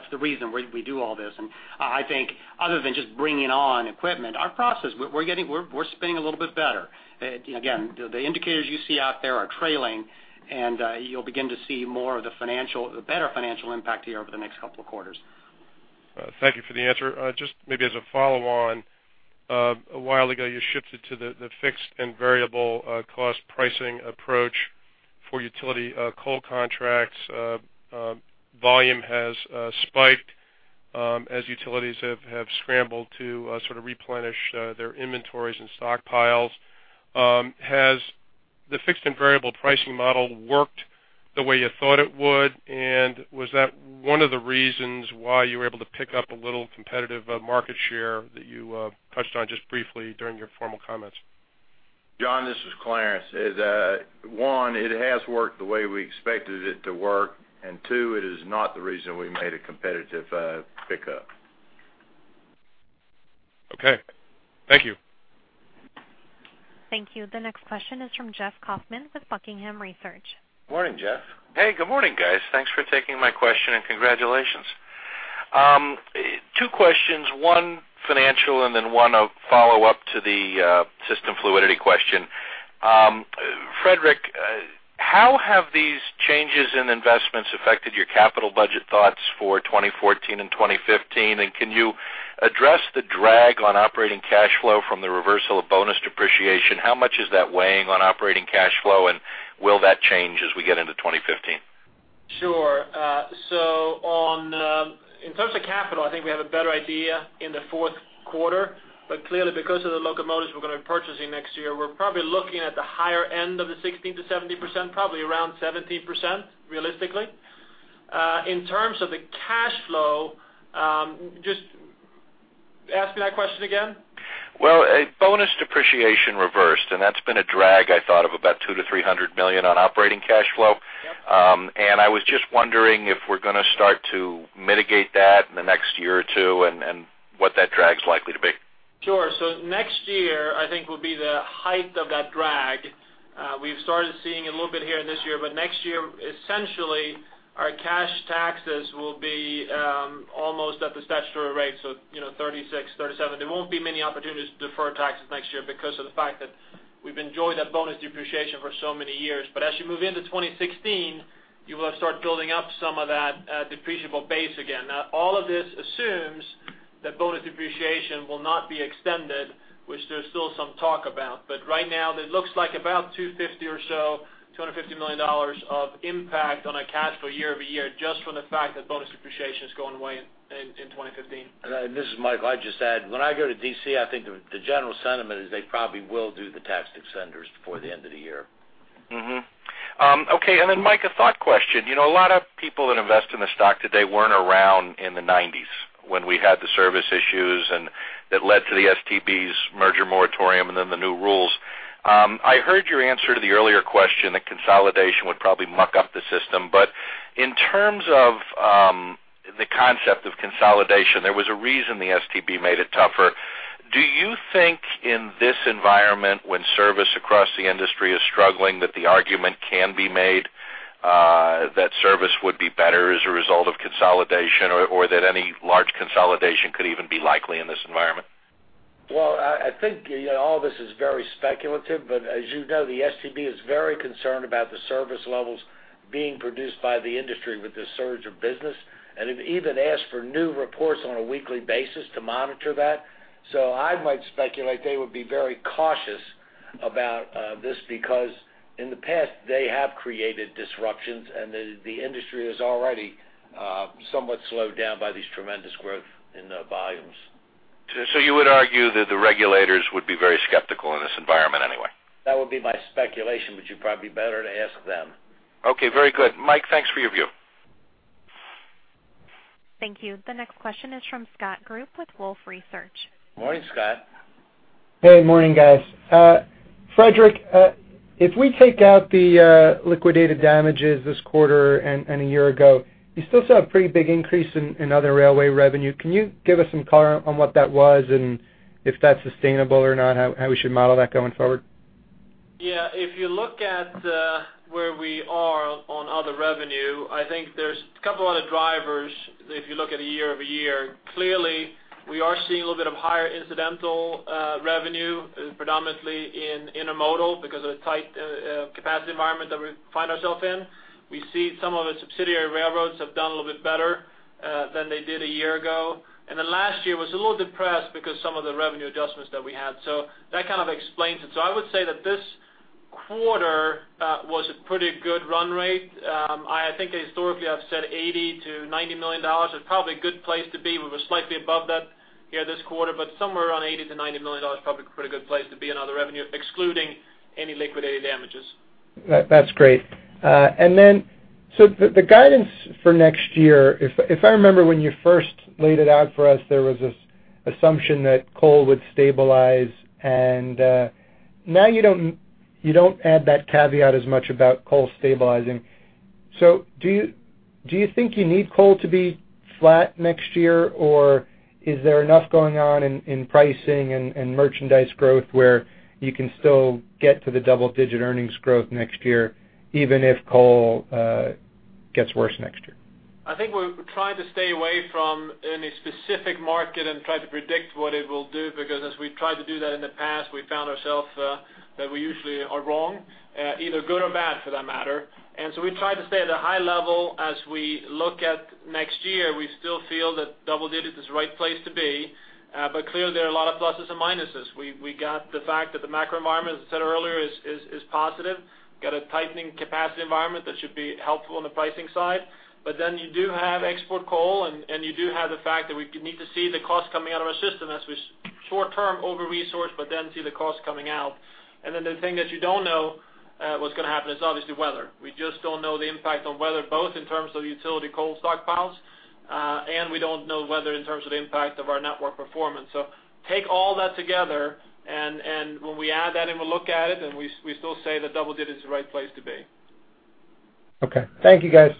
the reason we do all this. And I think other than just bringing on equipment, our process, we're spinning a little bit better. Again, the indicators you see out there are trailing, and you'll begin to see more of the better financial impact here over the next couple of quarters. Thank you for the answer. Just maybe as a follow-on, a while ago, you shifted to the fixed and variable cost pricing approach for utility coal contracts. Volume has spiked as utilities have scrambled to sort of replenish their inventories and stockpiles. Has the fixed and variable pricing model worked the way you thought it would? And was that one of the reasons why you were able to pick up a little competitive market share that you touched on just briefly during your formal comments? John, this is Clarence. One, it has worked the way we expected it to work. And two, it is not the reason we made a competitive pickup. Okay. Thank you. Thank you. The next question is from Jeff Kauffman with Buckingham Research. Morning, Jeff. Hey. Good morning, guys. Thanks for taking my question, and congratulations. Two questions, one financial and then one a follow-up to the system fluidity question. Fredrik, how have these changes in investments affected your capital budget thoughts for 2014 and 2015? And can you address the drag on operating cash flow from the reversal of bonus depreciation? How much is that weighing on operating cash flow, and will that change as we get into 2015? Sure. So in terms of capital, I think we have a better idea in the fourth quarter. But clearly, because of the locomotives we're going to be purchasing next year, we're probably looking at the higher end of the 16%-17%, probably around 17%, realistically. In terms of the cash flow, just ask me that question again. Well, bonus depreciation reversed, and that's been a drag, I thought, of about $200 million-$300 million on operating cash flow. And I was just wondering if we're going to start to mitigate that in the next year or two and what that drag's likely to be. Sure. So next year, I think, will be the height of that drag. We've started seeing a little bit here in this year. But next year, essentially, our cash taxes will be almost at the statutory rate, so 36%-37%. There won't be many opportunities to defer taxes next year because of the fact that we've enjoyed that bonus depreciation for so many years. But as you move into 2016, you will have started building up some of that depreciable base again. Now, all of this assumes that bonus depreciation will not be extended, which there's still some talk about. But right now, it looks like about 250 or so, $250 million of impact on our cash flow year over year just from the fact that bonus depreciation's going away in 2015. This is Michael. I'd just add, when I go to D.C., I think the general sentiment is they probably will do the tax extenders before the end of the year. Okay. And then Mike, a thought question. A lot of people that invest in the stock today weren't around in the '90s when we had the service issues that led to the STB's merger moratorium and then the new rules. I heard your answer to the earlier question that consolidation would probably muck up the system. But in terms of the concept of consolidation, there was a reason the STB made it tougher. Do you think in this environment, when service across the industry is struggling, that the argument can be made that service would be better as a result of consolidation or that any large consolidation could even be likely in this environment? Well, I think all this is very speculative. But as you know, the STB is very concerned about the service levels being produced by the industry with this surge of business. And they've even asked for new reports on a weekly basis to monitor that. So I might speculate they would be very cautious about this because in the past, they have created disruptions, and the industry is already somewhat slowed down by this tremendous growth in volumes. So you would argue that the regulators would be very skeptical in this environment anyway? That would be my speculation, but you'd probably be better to ask them. Okay. Very good. Mike, thanks for your view. Thank you. The next question is from Scott Group with Wolfe Research. Morning, Scott. Hey. Morning, guys. Fredrik, if we take out the liquidated damages this quarter and a year ago, you still saw a pretty big increase in other railway revenue. Can you give us some color on what that was and if that's sustainable or not, how we should model that going forward? Yeah. If you look at where we are on other revenue, I think there's a couple of other drivers. If you look at a year-over-year, clearly, we are seeing a little bit of higher incidental revenue, predominantly in intermodal because of the tight capacity environment that we find ourselves in. We see some of the subsidiary railroads have done a little bit better than they did a year ago. And then last year was a little depressed because of some of the revenue adjustments that we had. So that kind of explains it. So I would say that this quarter was a pretty good run rate. I think historically, I've said $80 million-$90 million is probably a good place to be. We were slightly above that here this quarter. Somewhere around $80 million-$90 million is probably a pretty good place to be in other revenue, excluding any liquidated damages. That's great. And then so the guidance for next year, if I remember when you first laid it out for us, there was this assumption that coal would stabilize. And now you don't add that caveat as much about coal stabilizing. So do you think you need coal to be flat next year, or is there enough going on in pricing and merchandise growth where you can still get to the double-digit earnings growth next year even if coal gets worse next year? I think we're trying to stay away from any specific market and try to predict what it will do because as we've tried to do that in the past, we found ourselves that we usually are wrong, either good or bad for that matter. And so we try to stay at a high level as we look at next year. We still feel that double-digit is the right place to be. But clearly, there are a lot of pluses and minuses. We got the fact that the macro environment, as I said earlier, is positive. Got a tightening capacity environment that should be helpful on the pricing side. But then you do have export coal, and you do have the fact that we need to see the cost coming out of our system as we short-term over-resource but then see the cost coming out. Then the thing that you don't know what's going to happen is obviously weather. We just don't know the impact of weather, both in terms of utility coal stockpiles, and we don't know weather in terms of the impact of our network performance. So take all that together, and when we add that and we look at it, then we still say that double-digit is the right place to be. Okay. Thank you, guys.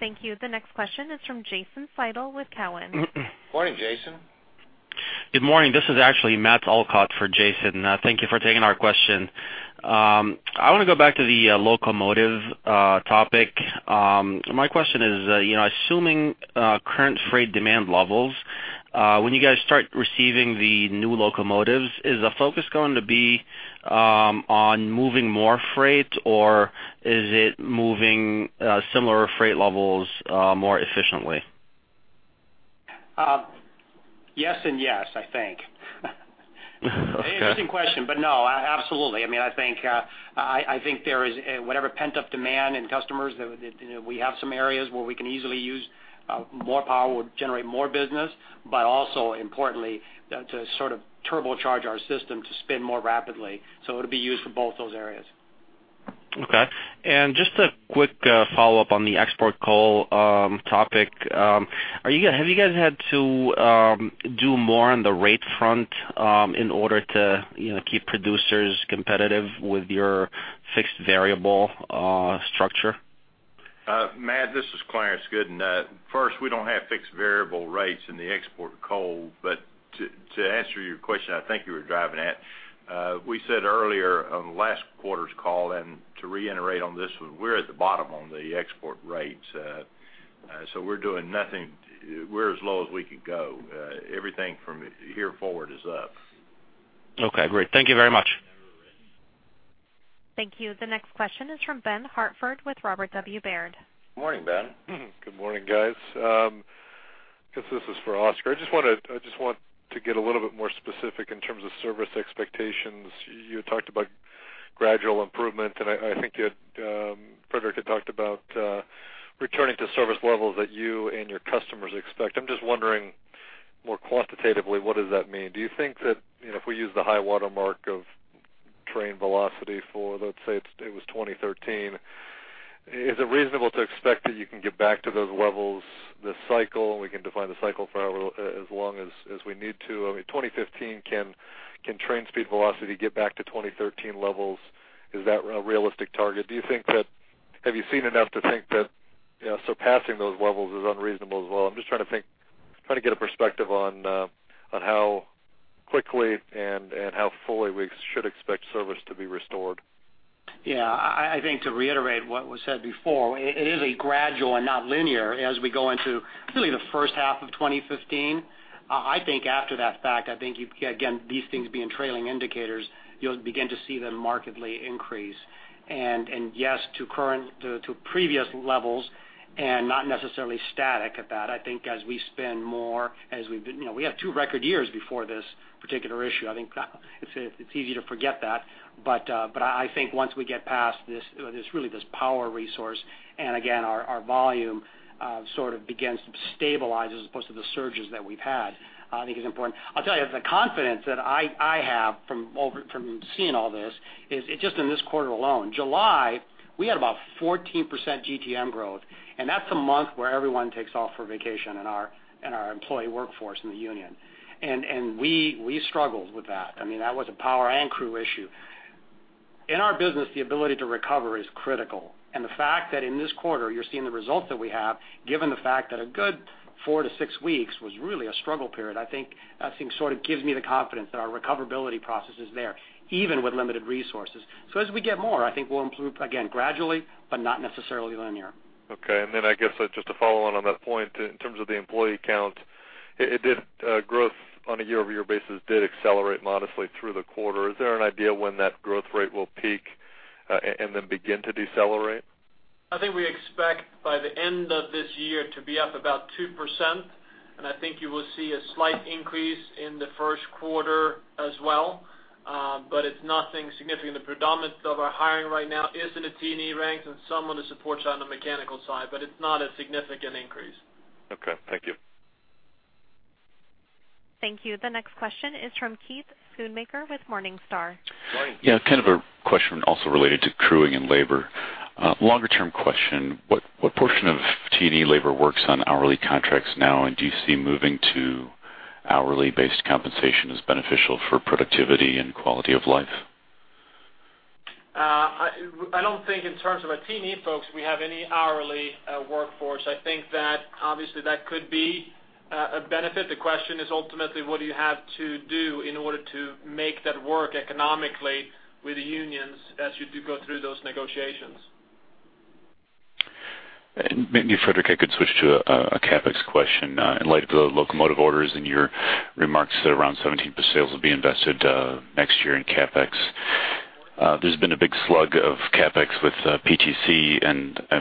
Thank you. The next question is from Jason Seidl with Cowen. Morning, Jason. Good morning. This is actually Matt Elkott for Jason. Thank you for taking our question. I want to go back to the locomotive topic. My question is, assuming current freight demand levels, when you guys start receiving the new locomotives, is the focus going to be on moving more freight, or is it moving similar freight levels more efficiently? Yes and yes, I think. Very interesting question. But no, absolutely. I mean, I think there is whatever pent-up demand in customers, we have some areas where we can easily use more power, generate more business, but also, importantly, to sort of turbocharge our system to spin more rapidly. So it'll be used for both those areas. Okay. Just a quick follow-up on the export coal topic. Have you guys had to do more on the rate front in order to keep producers competitive with your fixed-to-variable structure? Matt, this is Clarence Gooden. First, we don't have fixed-to-variable rates in the export coal. But to answer your question, I think you were driving at, we said earlier on the last quarter's call, and to reiterate on this one, we're at the bottom on the export rates. So we're doing nothing. We're as low as we can go. Everything from here forward is up. Okay. Great. Thank you very much. Thank you. The next question is from Ben Hartford with Robert W. Baird. Morning, Ben. Good morning, guys. I guess this is for Oscar. I just want to get a little bit more specific in terms of service expectations. You had talked about gradual improvement, and I think Fredrik had talked about returning to service levels that you and your customers expect. I'm just wondering more quantitatively, what does that mean? Do you think that if we use the high watermark of train velocity for, let's say, it was 2013, is it reasonable to expect that you can get back to those levels this cycle, and we can define the cycle for as long as we need to? I mean, 2015, can train speed velocity get back to 2013 levels? Is that a realistic target? Do you think that have you seen enough to think that surpassing those levels is unreasonable as well? I'm just trying to think, trying to get a perspective on how quickly and how fully we should expect service to be restored. Yeah. I think to reiterate what was said before, it is a gradual and not linear as we go into really the first half of 2015. I think after that fact, I think, again, these things being trailing indicators, you'll begin to see them markedly increase. And yes, to previous levels and not necessarily static at that. I think as we spin more, as we've been we had two record years before this particular issue. I think it's easy to forget that. But I think once we get past really this power resource and, again, our volume sort of begins to stabilize as opposed to the surges that we've had, I think is important. I'll tell you, the confidence that I have from seeing all this is just in this quarter alone. July, we had about 14% GTM growth. That's a month where everyone takes off for vacation in our employee workforce in the union. We struggled with that. I mean, that was a power and crew issue. In our business, the ability to recover is critical. The fact that in this quarter, you're seeing the results that we have, given the fact that a good 4-6 weeks was really a struggle period, I think that sort of gives me the confidence that our recoverability process is there, even with limited resources. So as we get more, I think we'll improve, again, gradually but not necessarily linear. Okay. And then I guess just a follow-on on that point, in terms of the employee count, growth on a year-over-year basis did accelerate modestly through the quarter. Is there an idea when that growth rate will peak and then begin to decelerate? I think we expect by the end of this year to be up about 2%. I think you will see a slight increase in the first quarter as well. It's nothing significant. The predominant of our hiring right now is in the T&E ranks and some on the support side and the mechanical side. It's not a significant increase. Okay. Thank you. Thank you. The next question is from Keith Schoonmaker with Morningstar. Morning. Yeah. Kind of a question also related to crewing and labor. Longer-term question, what portion of T&E labor works on hourly contracts now, and do you see moving to hourly-based compensation as beneficial for productivity and quality of life? I don't think in terms of our T&E folks, we have any hourly workforce. I think that, obviously, that could be a benefit. The question is ultimately, what do you have to do in order to make that work economically with the unions as you do go through those negotiations? Maybe Fredrik, I could switch to a CapEx question. In light of the locomotive orders and your remarks that around 17% of sales will be invested next year in CapEx, there's been a big slug of CapEx with PTC.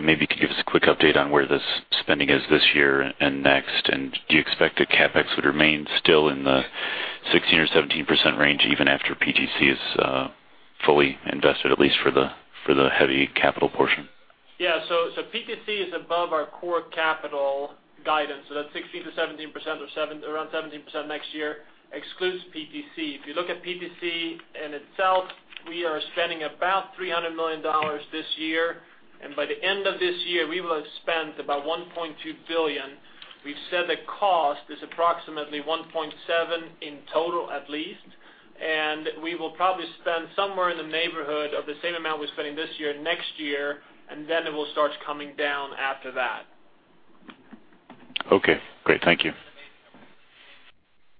Maybe you could give us a quick update on where this spending is this year and next? Do you expect that CapEx would remain still in the 16%-17% range even after PTC is fully invested, at least for the heavy capital portion? Yeah. So PTC is above our core capital guidance. So that 16%-17% or around 17% next year excludes PTC. If you look at PTC in itself, we are spending about $300 million this year. And by the end of this year, we will have spent about $1.2 billion. We've said the cost is approximately $1.7 billion in total, at least. And we will probably spend somewhere in the neighborhood of the same amount we're spending this year next year, and then it will start coming down after that. Okay. Great. Thank you.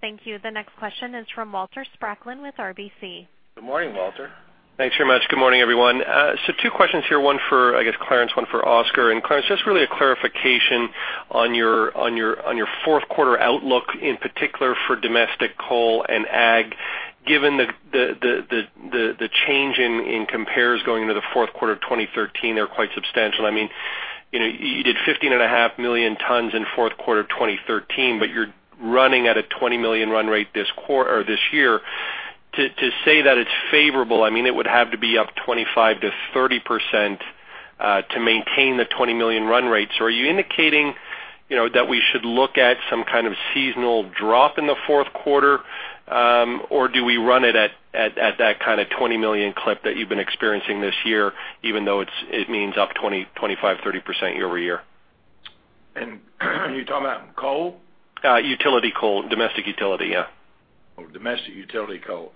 Thank you. The next question is from Walter Spracklin with RBC. Good morning, Walter. Thanks very much. Good morning, everyone. So two questions here, one for, I guess, Clarence, one for Oscar. And Clarence, just really a clarification on your fourth-quarter outlook in particular for domestic coal and ag. Given the change in compares going into the fourth quarter of 2013, they're quite substantial. I mean, you did 15.5 million tons in fourth quarter of 2013, but you're running at a 20 million run rate this year. To say that it's favorable, I mean, it would have to be up 25%-30% to maintain the 20 million run rate. So are you indicating that we should look at some kind of seasonal drop in the fourth quarter, or do we run it at that kind of 20 million clip that you've been experiencing this year even though it means up 25%-30% year-over-year? Are you talking about coal? Utility coal. Domestic utility, yeah. Oh, domestic utility coal.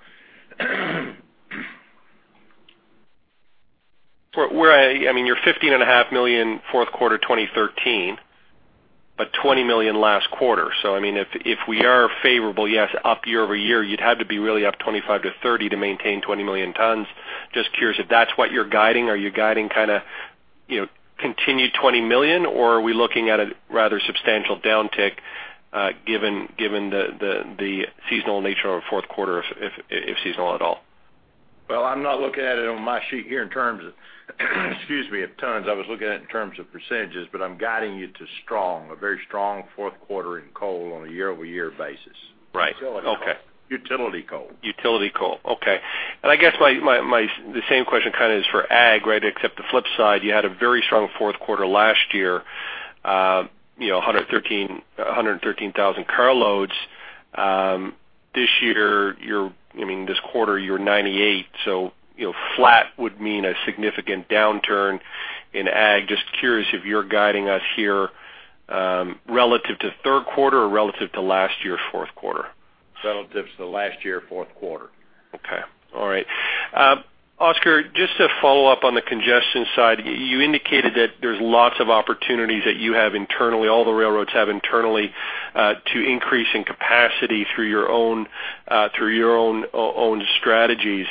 I mean, you're 15.5 million fourth quarter 2013 but 20 million last quarter. So I mean, if we are favorable, yes, up year-over-year, you'd have to be really up 25-30 to maintain 20 million tons. Just curious, if that's what you're guiding, are you guiding kind of continued 20 million, or are we looking at a rather substantial downtick given the seasonal nature of fourth quarter, if seasonal at all? Well, I'm not looking at it on my sheet here in terms of, excuse me, of tons. I was looking at it in terms of percentages. But I'm guiding you to strong, a very strong fourth quarter in coal on a year-over-year basis. Right. Utility coal. Utility coal. Okay. And I guess the same question kind of is for ag, right? Except the flip side, you had a very strong fourth quarter last year, 113,000 carloads. This year, I mean, this quarter, you're 98. So flat would mean a significant downturn in ag. Just curious if you're guiding us here relative to third quarter or relative to last year's fourth quarter. Relative to last year's fourth quarter. Okay. All right. Oscar, just to follow up on the congestion side, you indicated that there's lots of opportunities that you have internally, all the railroads have internally, to increase in capacity through your own strategies.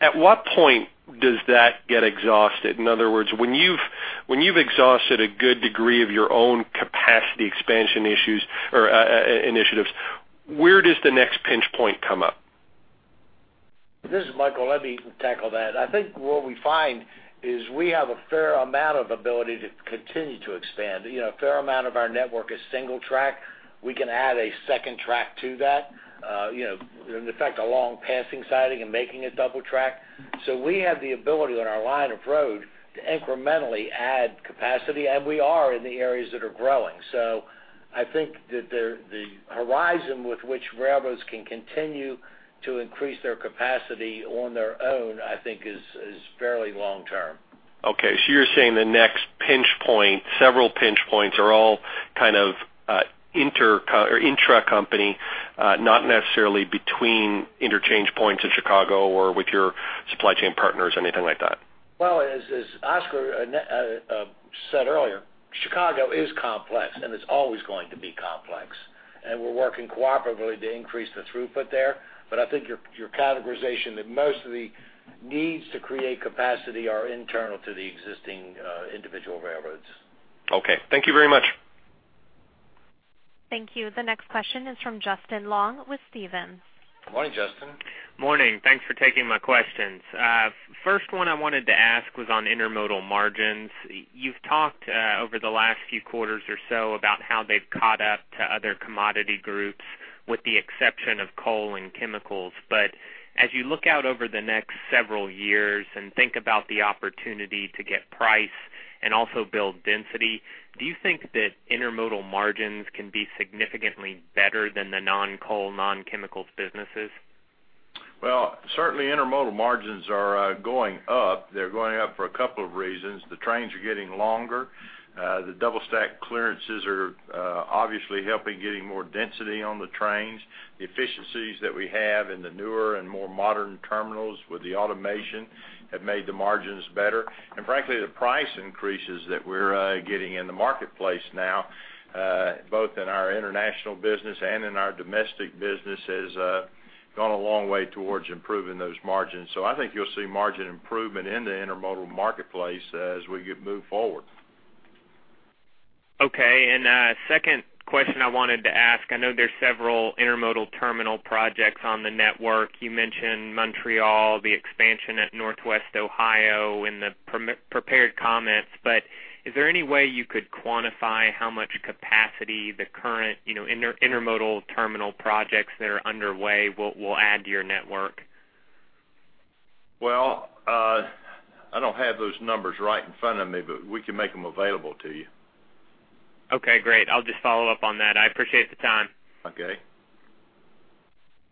At what point does that get exhausted? In other words, when you've exhausted a good degree of your own capacity expansion initiatives, where does the next pinch point come up? This is Michael who tackled that. I think what we find is we have a fair amount of ability to continue to expand. A fair amount of our network is single-track. We can add a second track to that, in effect, a long passing siding and making it double-track. So we have the ability on our line of road to incrementally add capacity, and we are in the areas that are growing. So I think that the horizon with which railroads can continue to increase their capacity on their own, I think, is fairly long-term. Okay. So you're saying the next pinch point, several pinch points, are all kind of intra-company, not necessarily between interchange points in Chicago or with your supply chain partners, anything like that? Well, as Oscar said earlier, Chicago is complex, and it's always going to be complex. We're working cooperatively to increase the throughput there. But I think your categorization, that most of the needs to create capacity are internal to the existing individual railroads. Okay. Thank you very much. Thank you. The next question is from Justin Long with Stephens. Morning, Justin. Morning. Thanks for taking my questions. First one I wanted to ask was on intermodal margins. You've talked over the last few quarters or so about how they've caught up to other commodity groups, with the exception of coal and chemicals. But as you look out over the next several years and think about the opportunity to get price and also build density, do you think that intermodal margins can be significantly better than the non-coal, non-chemicals businesses? Well, certainly, intermodal margins are going up. They're going up for a couple of reasons. The trains are getting longer. The double-stack clearances are obviously helping getting more density on the trains. The efficiencies that we have in the newer and more modern terminals with the automation have made the margins better. And frankly, the price increases that we're getting in the marketplace now, both in our international business and in our domestic business, has gone a long way towards improving those margins. So I think you'll see margin improvement in the intermodal marketplace as we move forward. Okay. And second question I wanted to ask, I know there's several intermodal terminal projects on the network. You mentioned Montreal, the expansion at Northwest Ohio in the prepared comments. But is there any way you could quantify how much capacity the current intermodal terminal projects that are underway will add to your network? Well, I don't have those numbers right in front of me, but we can make them available to you. Okay. Great. I'll just follow up on that. I appreciate the time. Okay.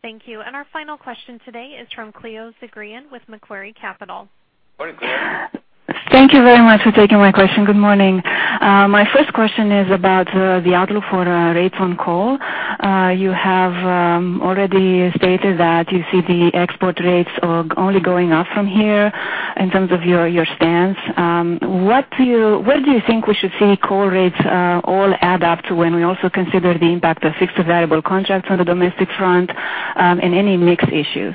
Thank you. Our final question today is from Cleo Zagrean with Macquarie Capital. Morning, Cleo. Thank you very much for taking my question. Good morning. My first question is about the outlook for rates on coal. You have already stated that you see the export rates only going up from here in terms of your stance. Where do you think we should see coal rates all add up to when we also consider the impact of fixed variable contracts on the domestic front and any mixed issues?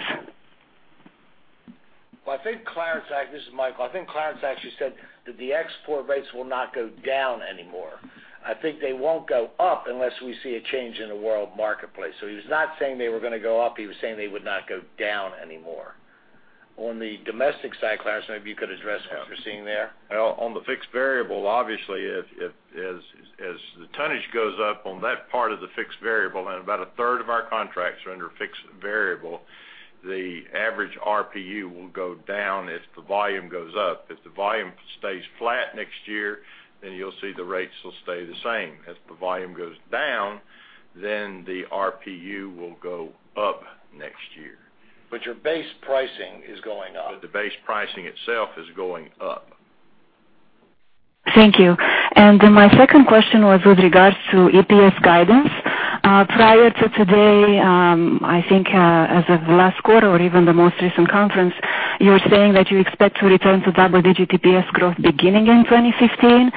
Well, I think Clarence, actually this is Michael. I think Clarence actually said that the export rates will not go down anymore. I think they won't go up unless we see a change in the world marketplace. So he was not saying they were going to go up. He was saying they would not go down anymore. On the domestic side, Clarence, maybe you could address what you're seeing there. Well, on the fixed-to-variable, obviously, as the tonnage goes up on that part of the fixed-to-variable and about a third of our contracts are under fixed-to-variable, the average RPU will go down if the volume goes up. If the volume stays flat next year, then you'll see the rates will stay the same. If the volume goes down, then the RPU will go up next year. But your base pricing is going up. But the base pricing itself is going up. Thank you. My second question was with regards to EPS guidance. Prior to today, I think as of last quarter or even the most recent conference, you were saying that you expect to return to double-digit EPS growth beginning in 2015.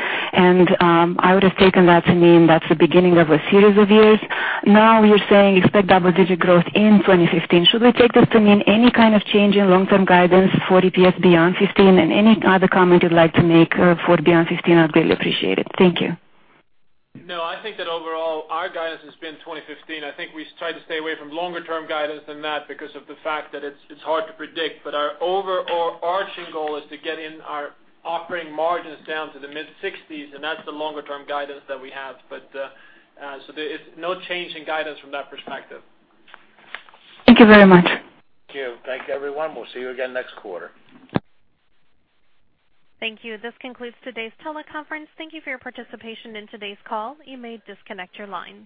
I would have taken that to mean that's the beginning of a series of years. Now you're saying expect double-digit growth in 2015. Should we take this to mean any kind of change in long-term guidance for EPS beyond 2015? Any other comment you'd like to make for beyond 2015, I'd really appreciate it. Thank you. No, I think that overall, our guidance has been 2015. I think we tried to stay away from longer-term guidance than that because of the fact that it's hard to predict. But our overarching goal is to get our operating margins down to the mid-60s, and that's the longer-term guidance that we have. So there is no change in guidance from that perspective. Thank you very much. Thank you. Thank everyone. We'll see you again next quarter. Thank you. This concludes today's teleconference. Thank you for your participation in today's call. You may disconnect your line.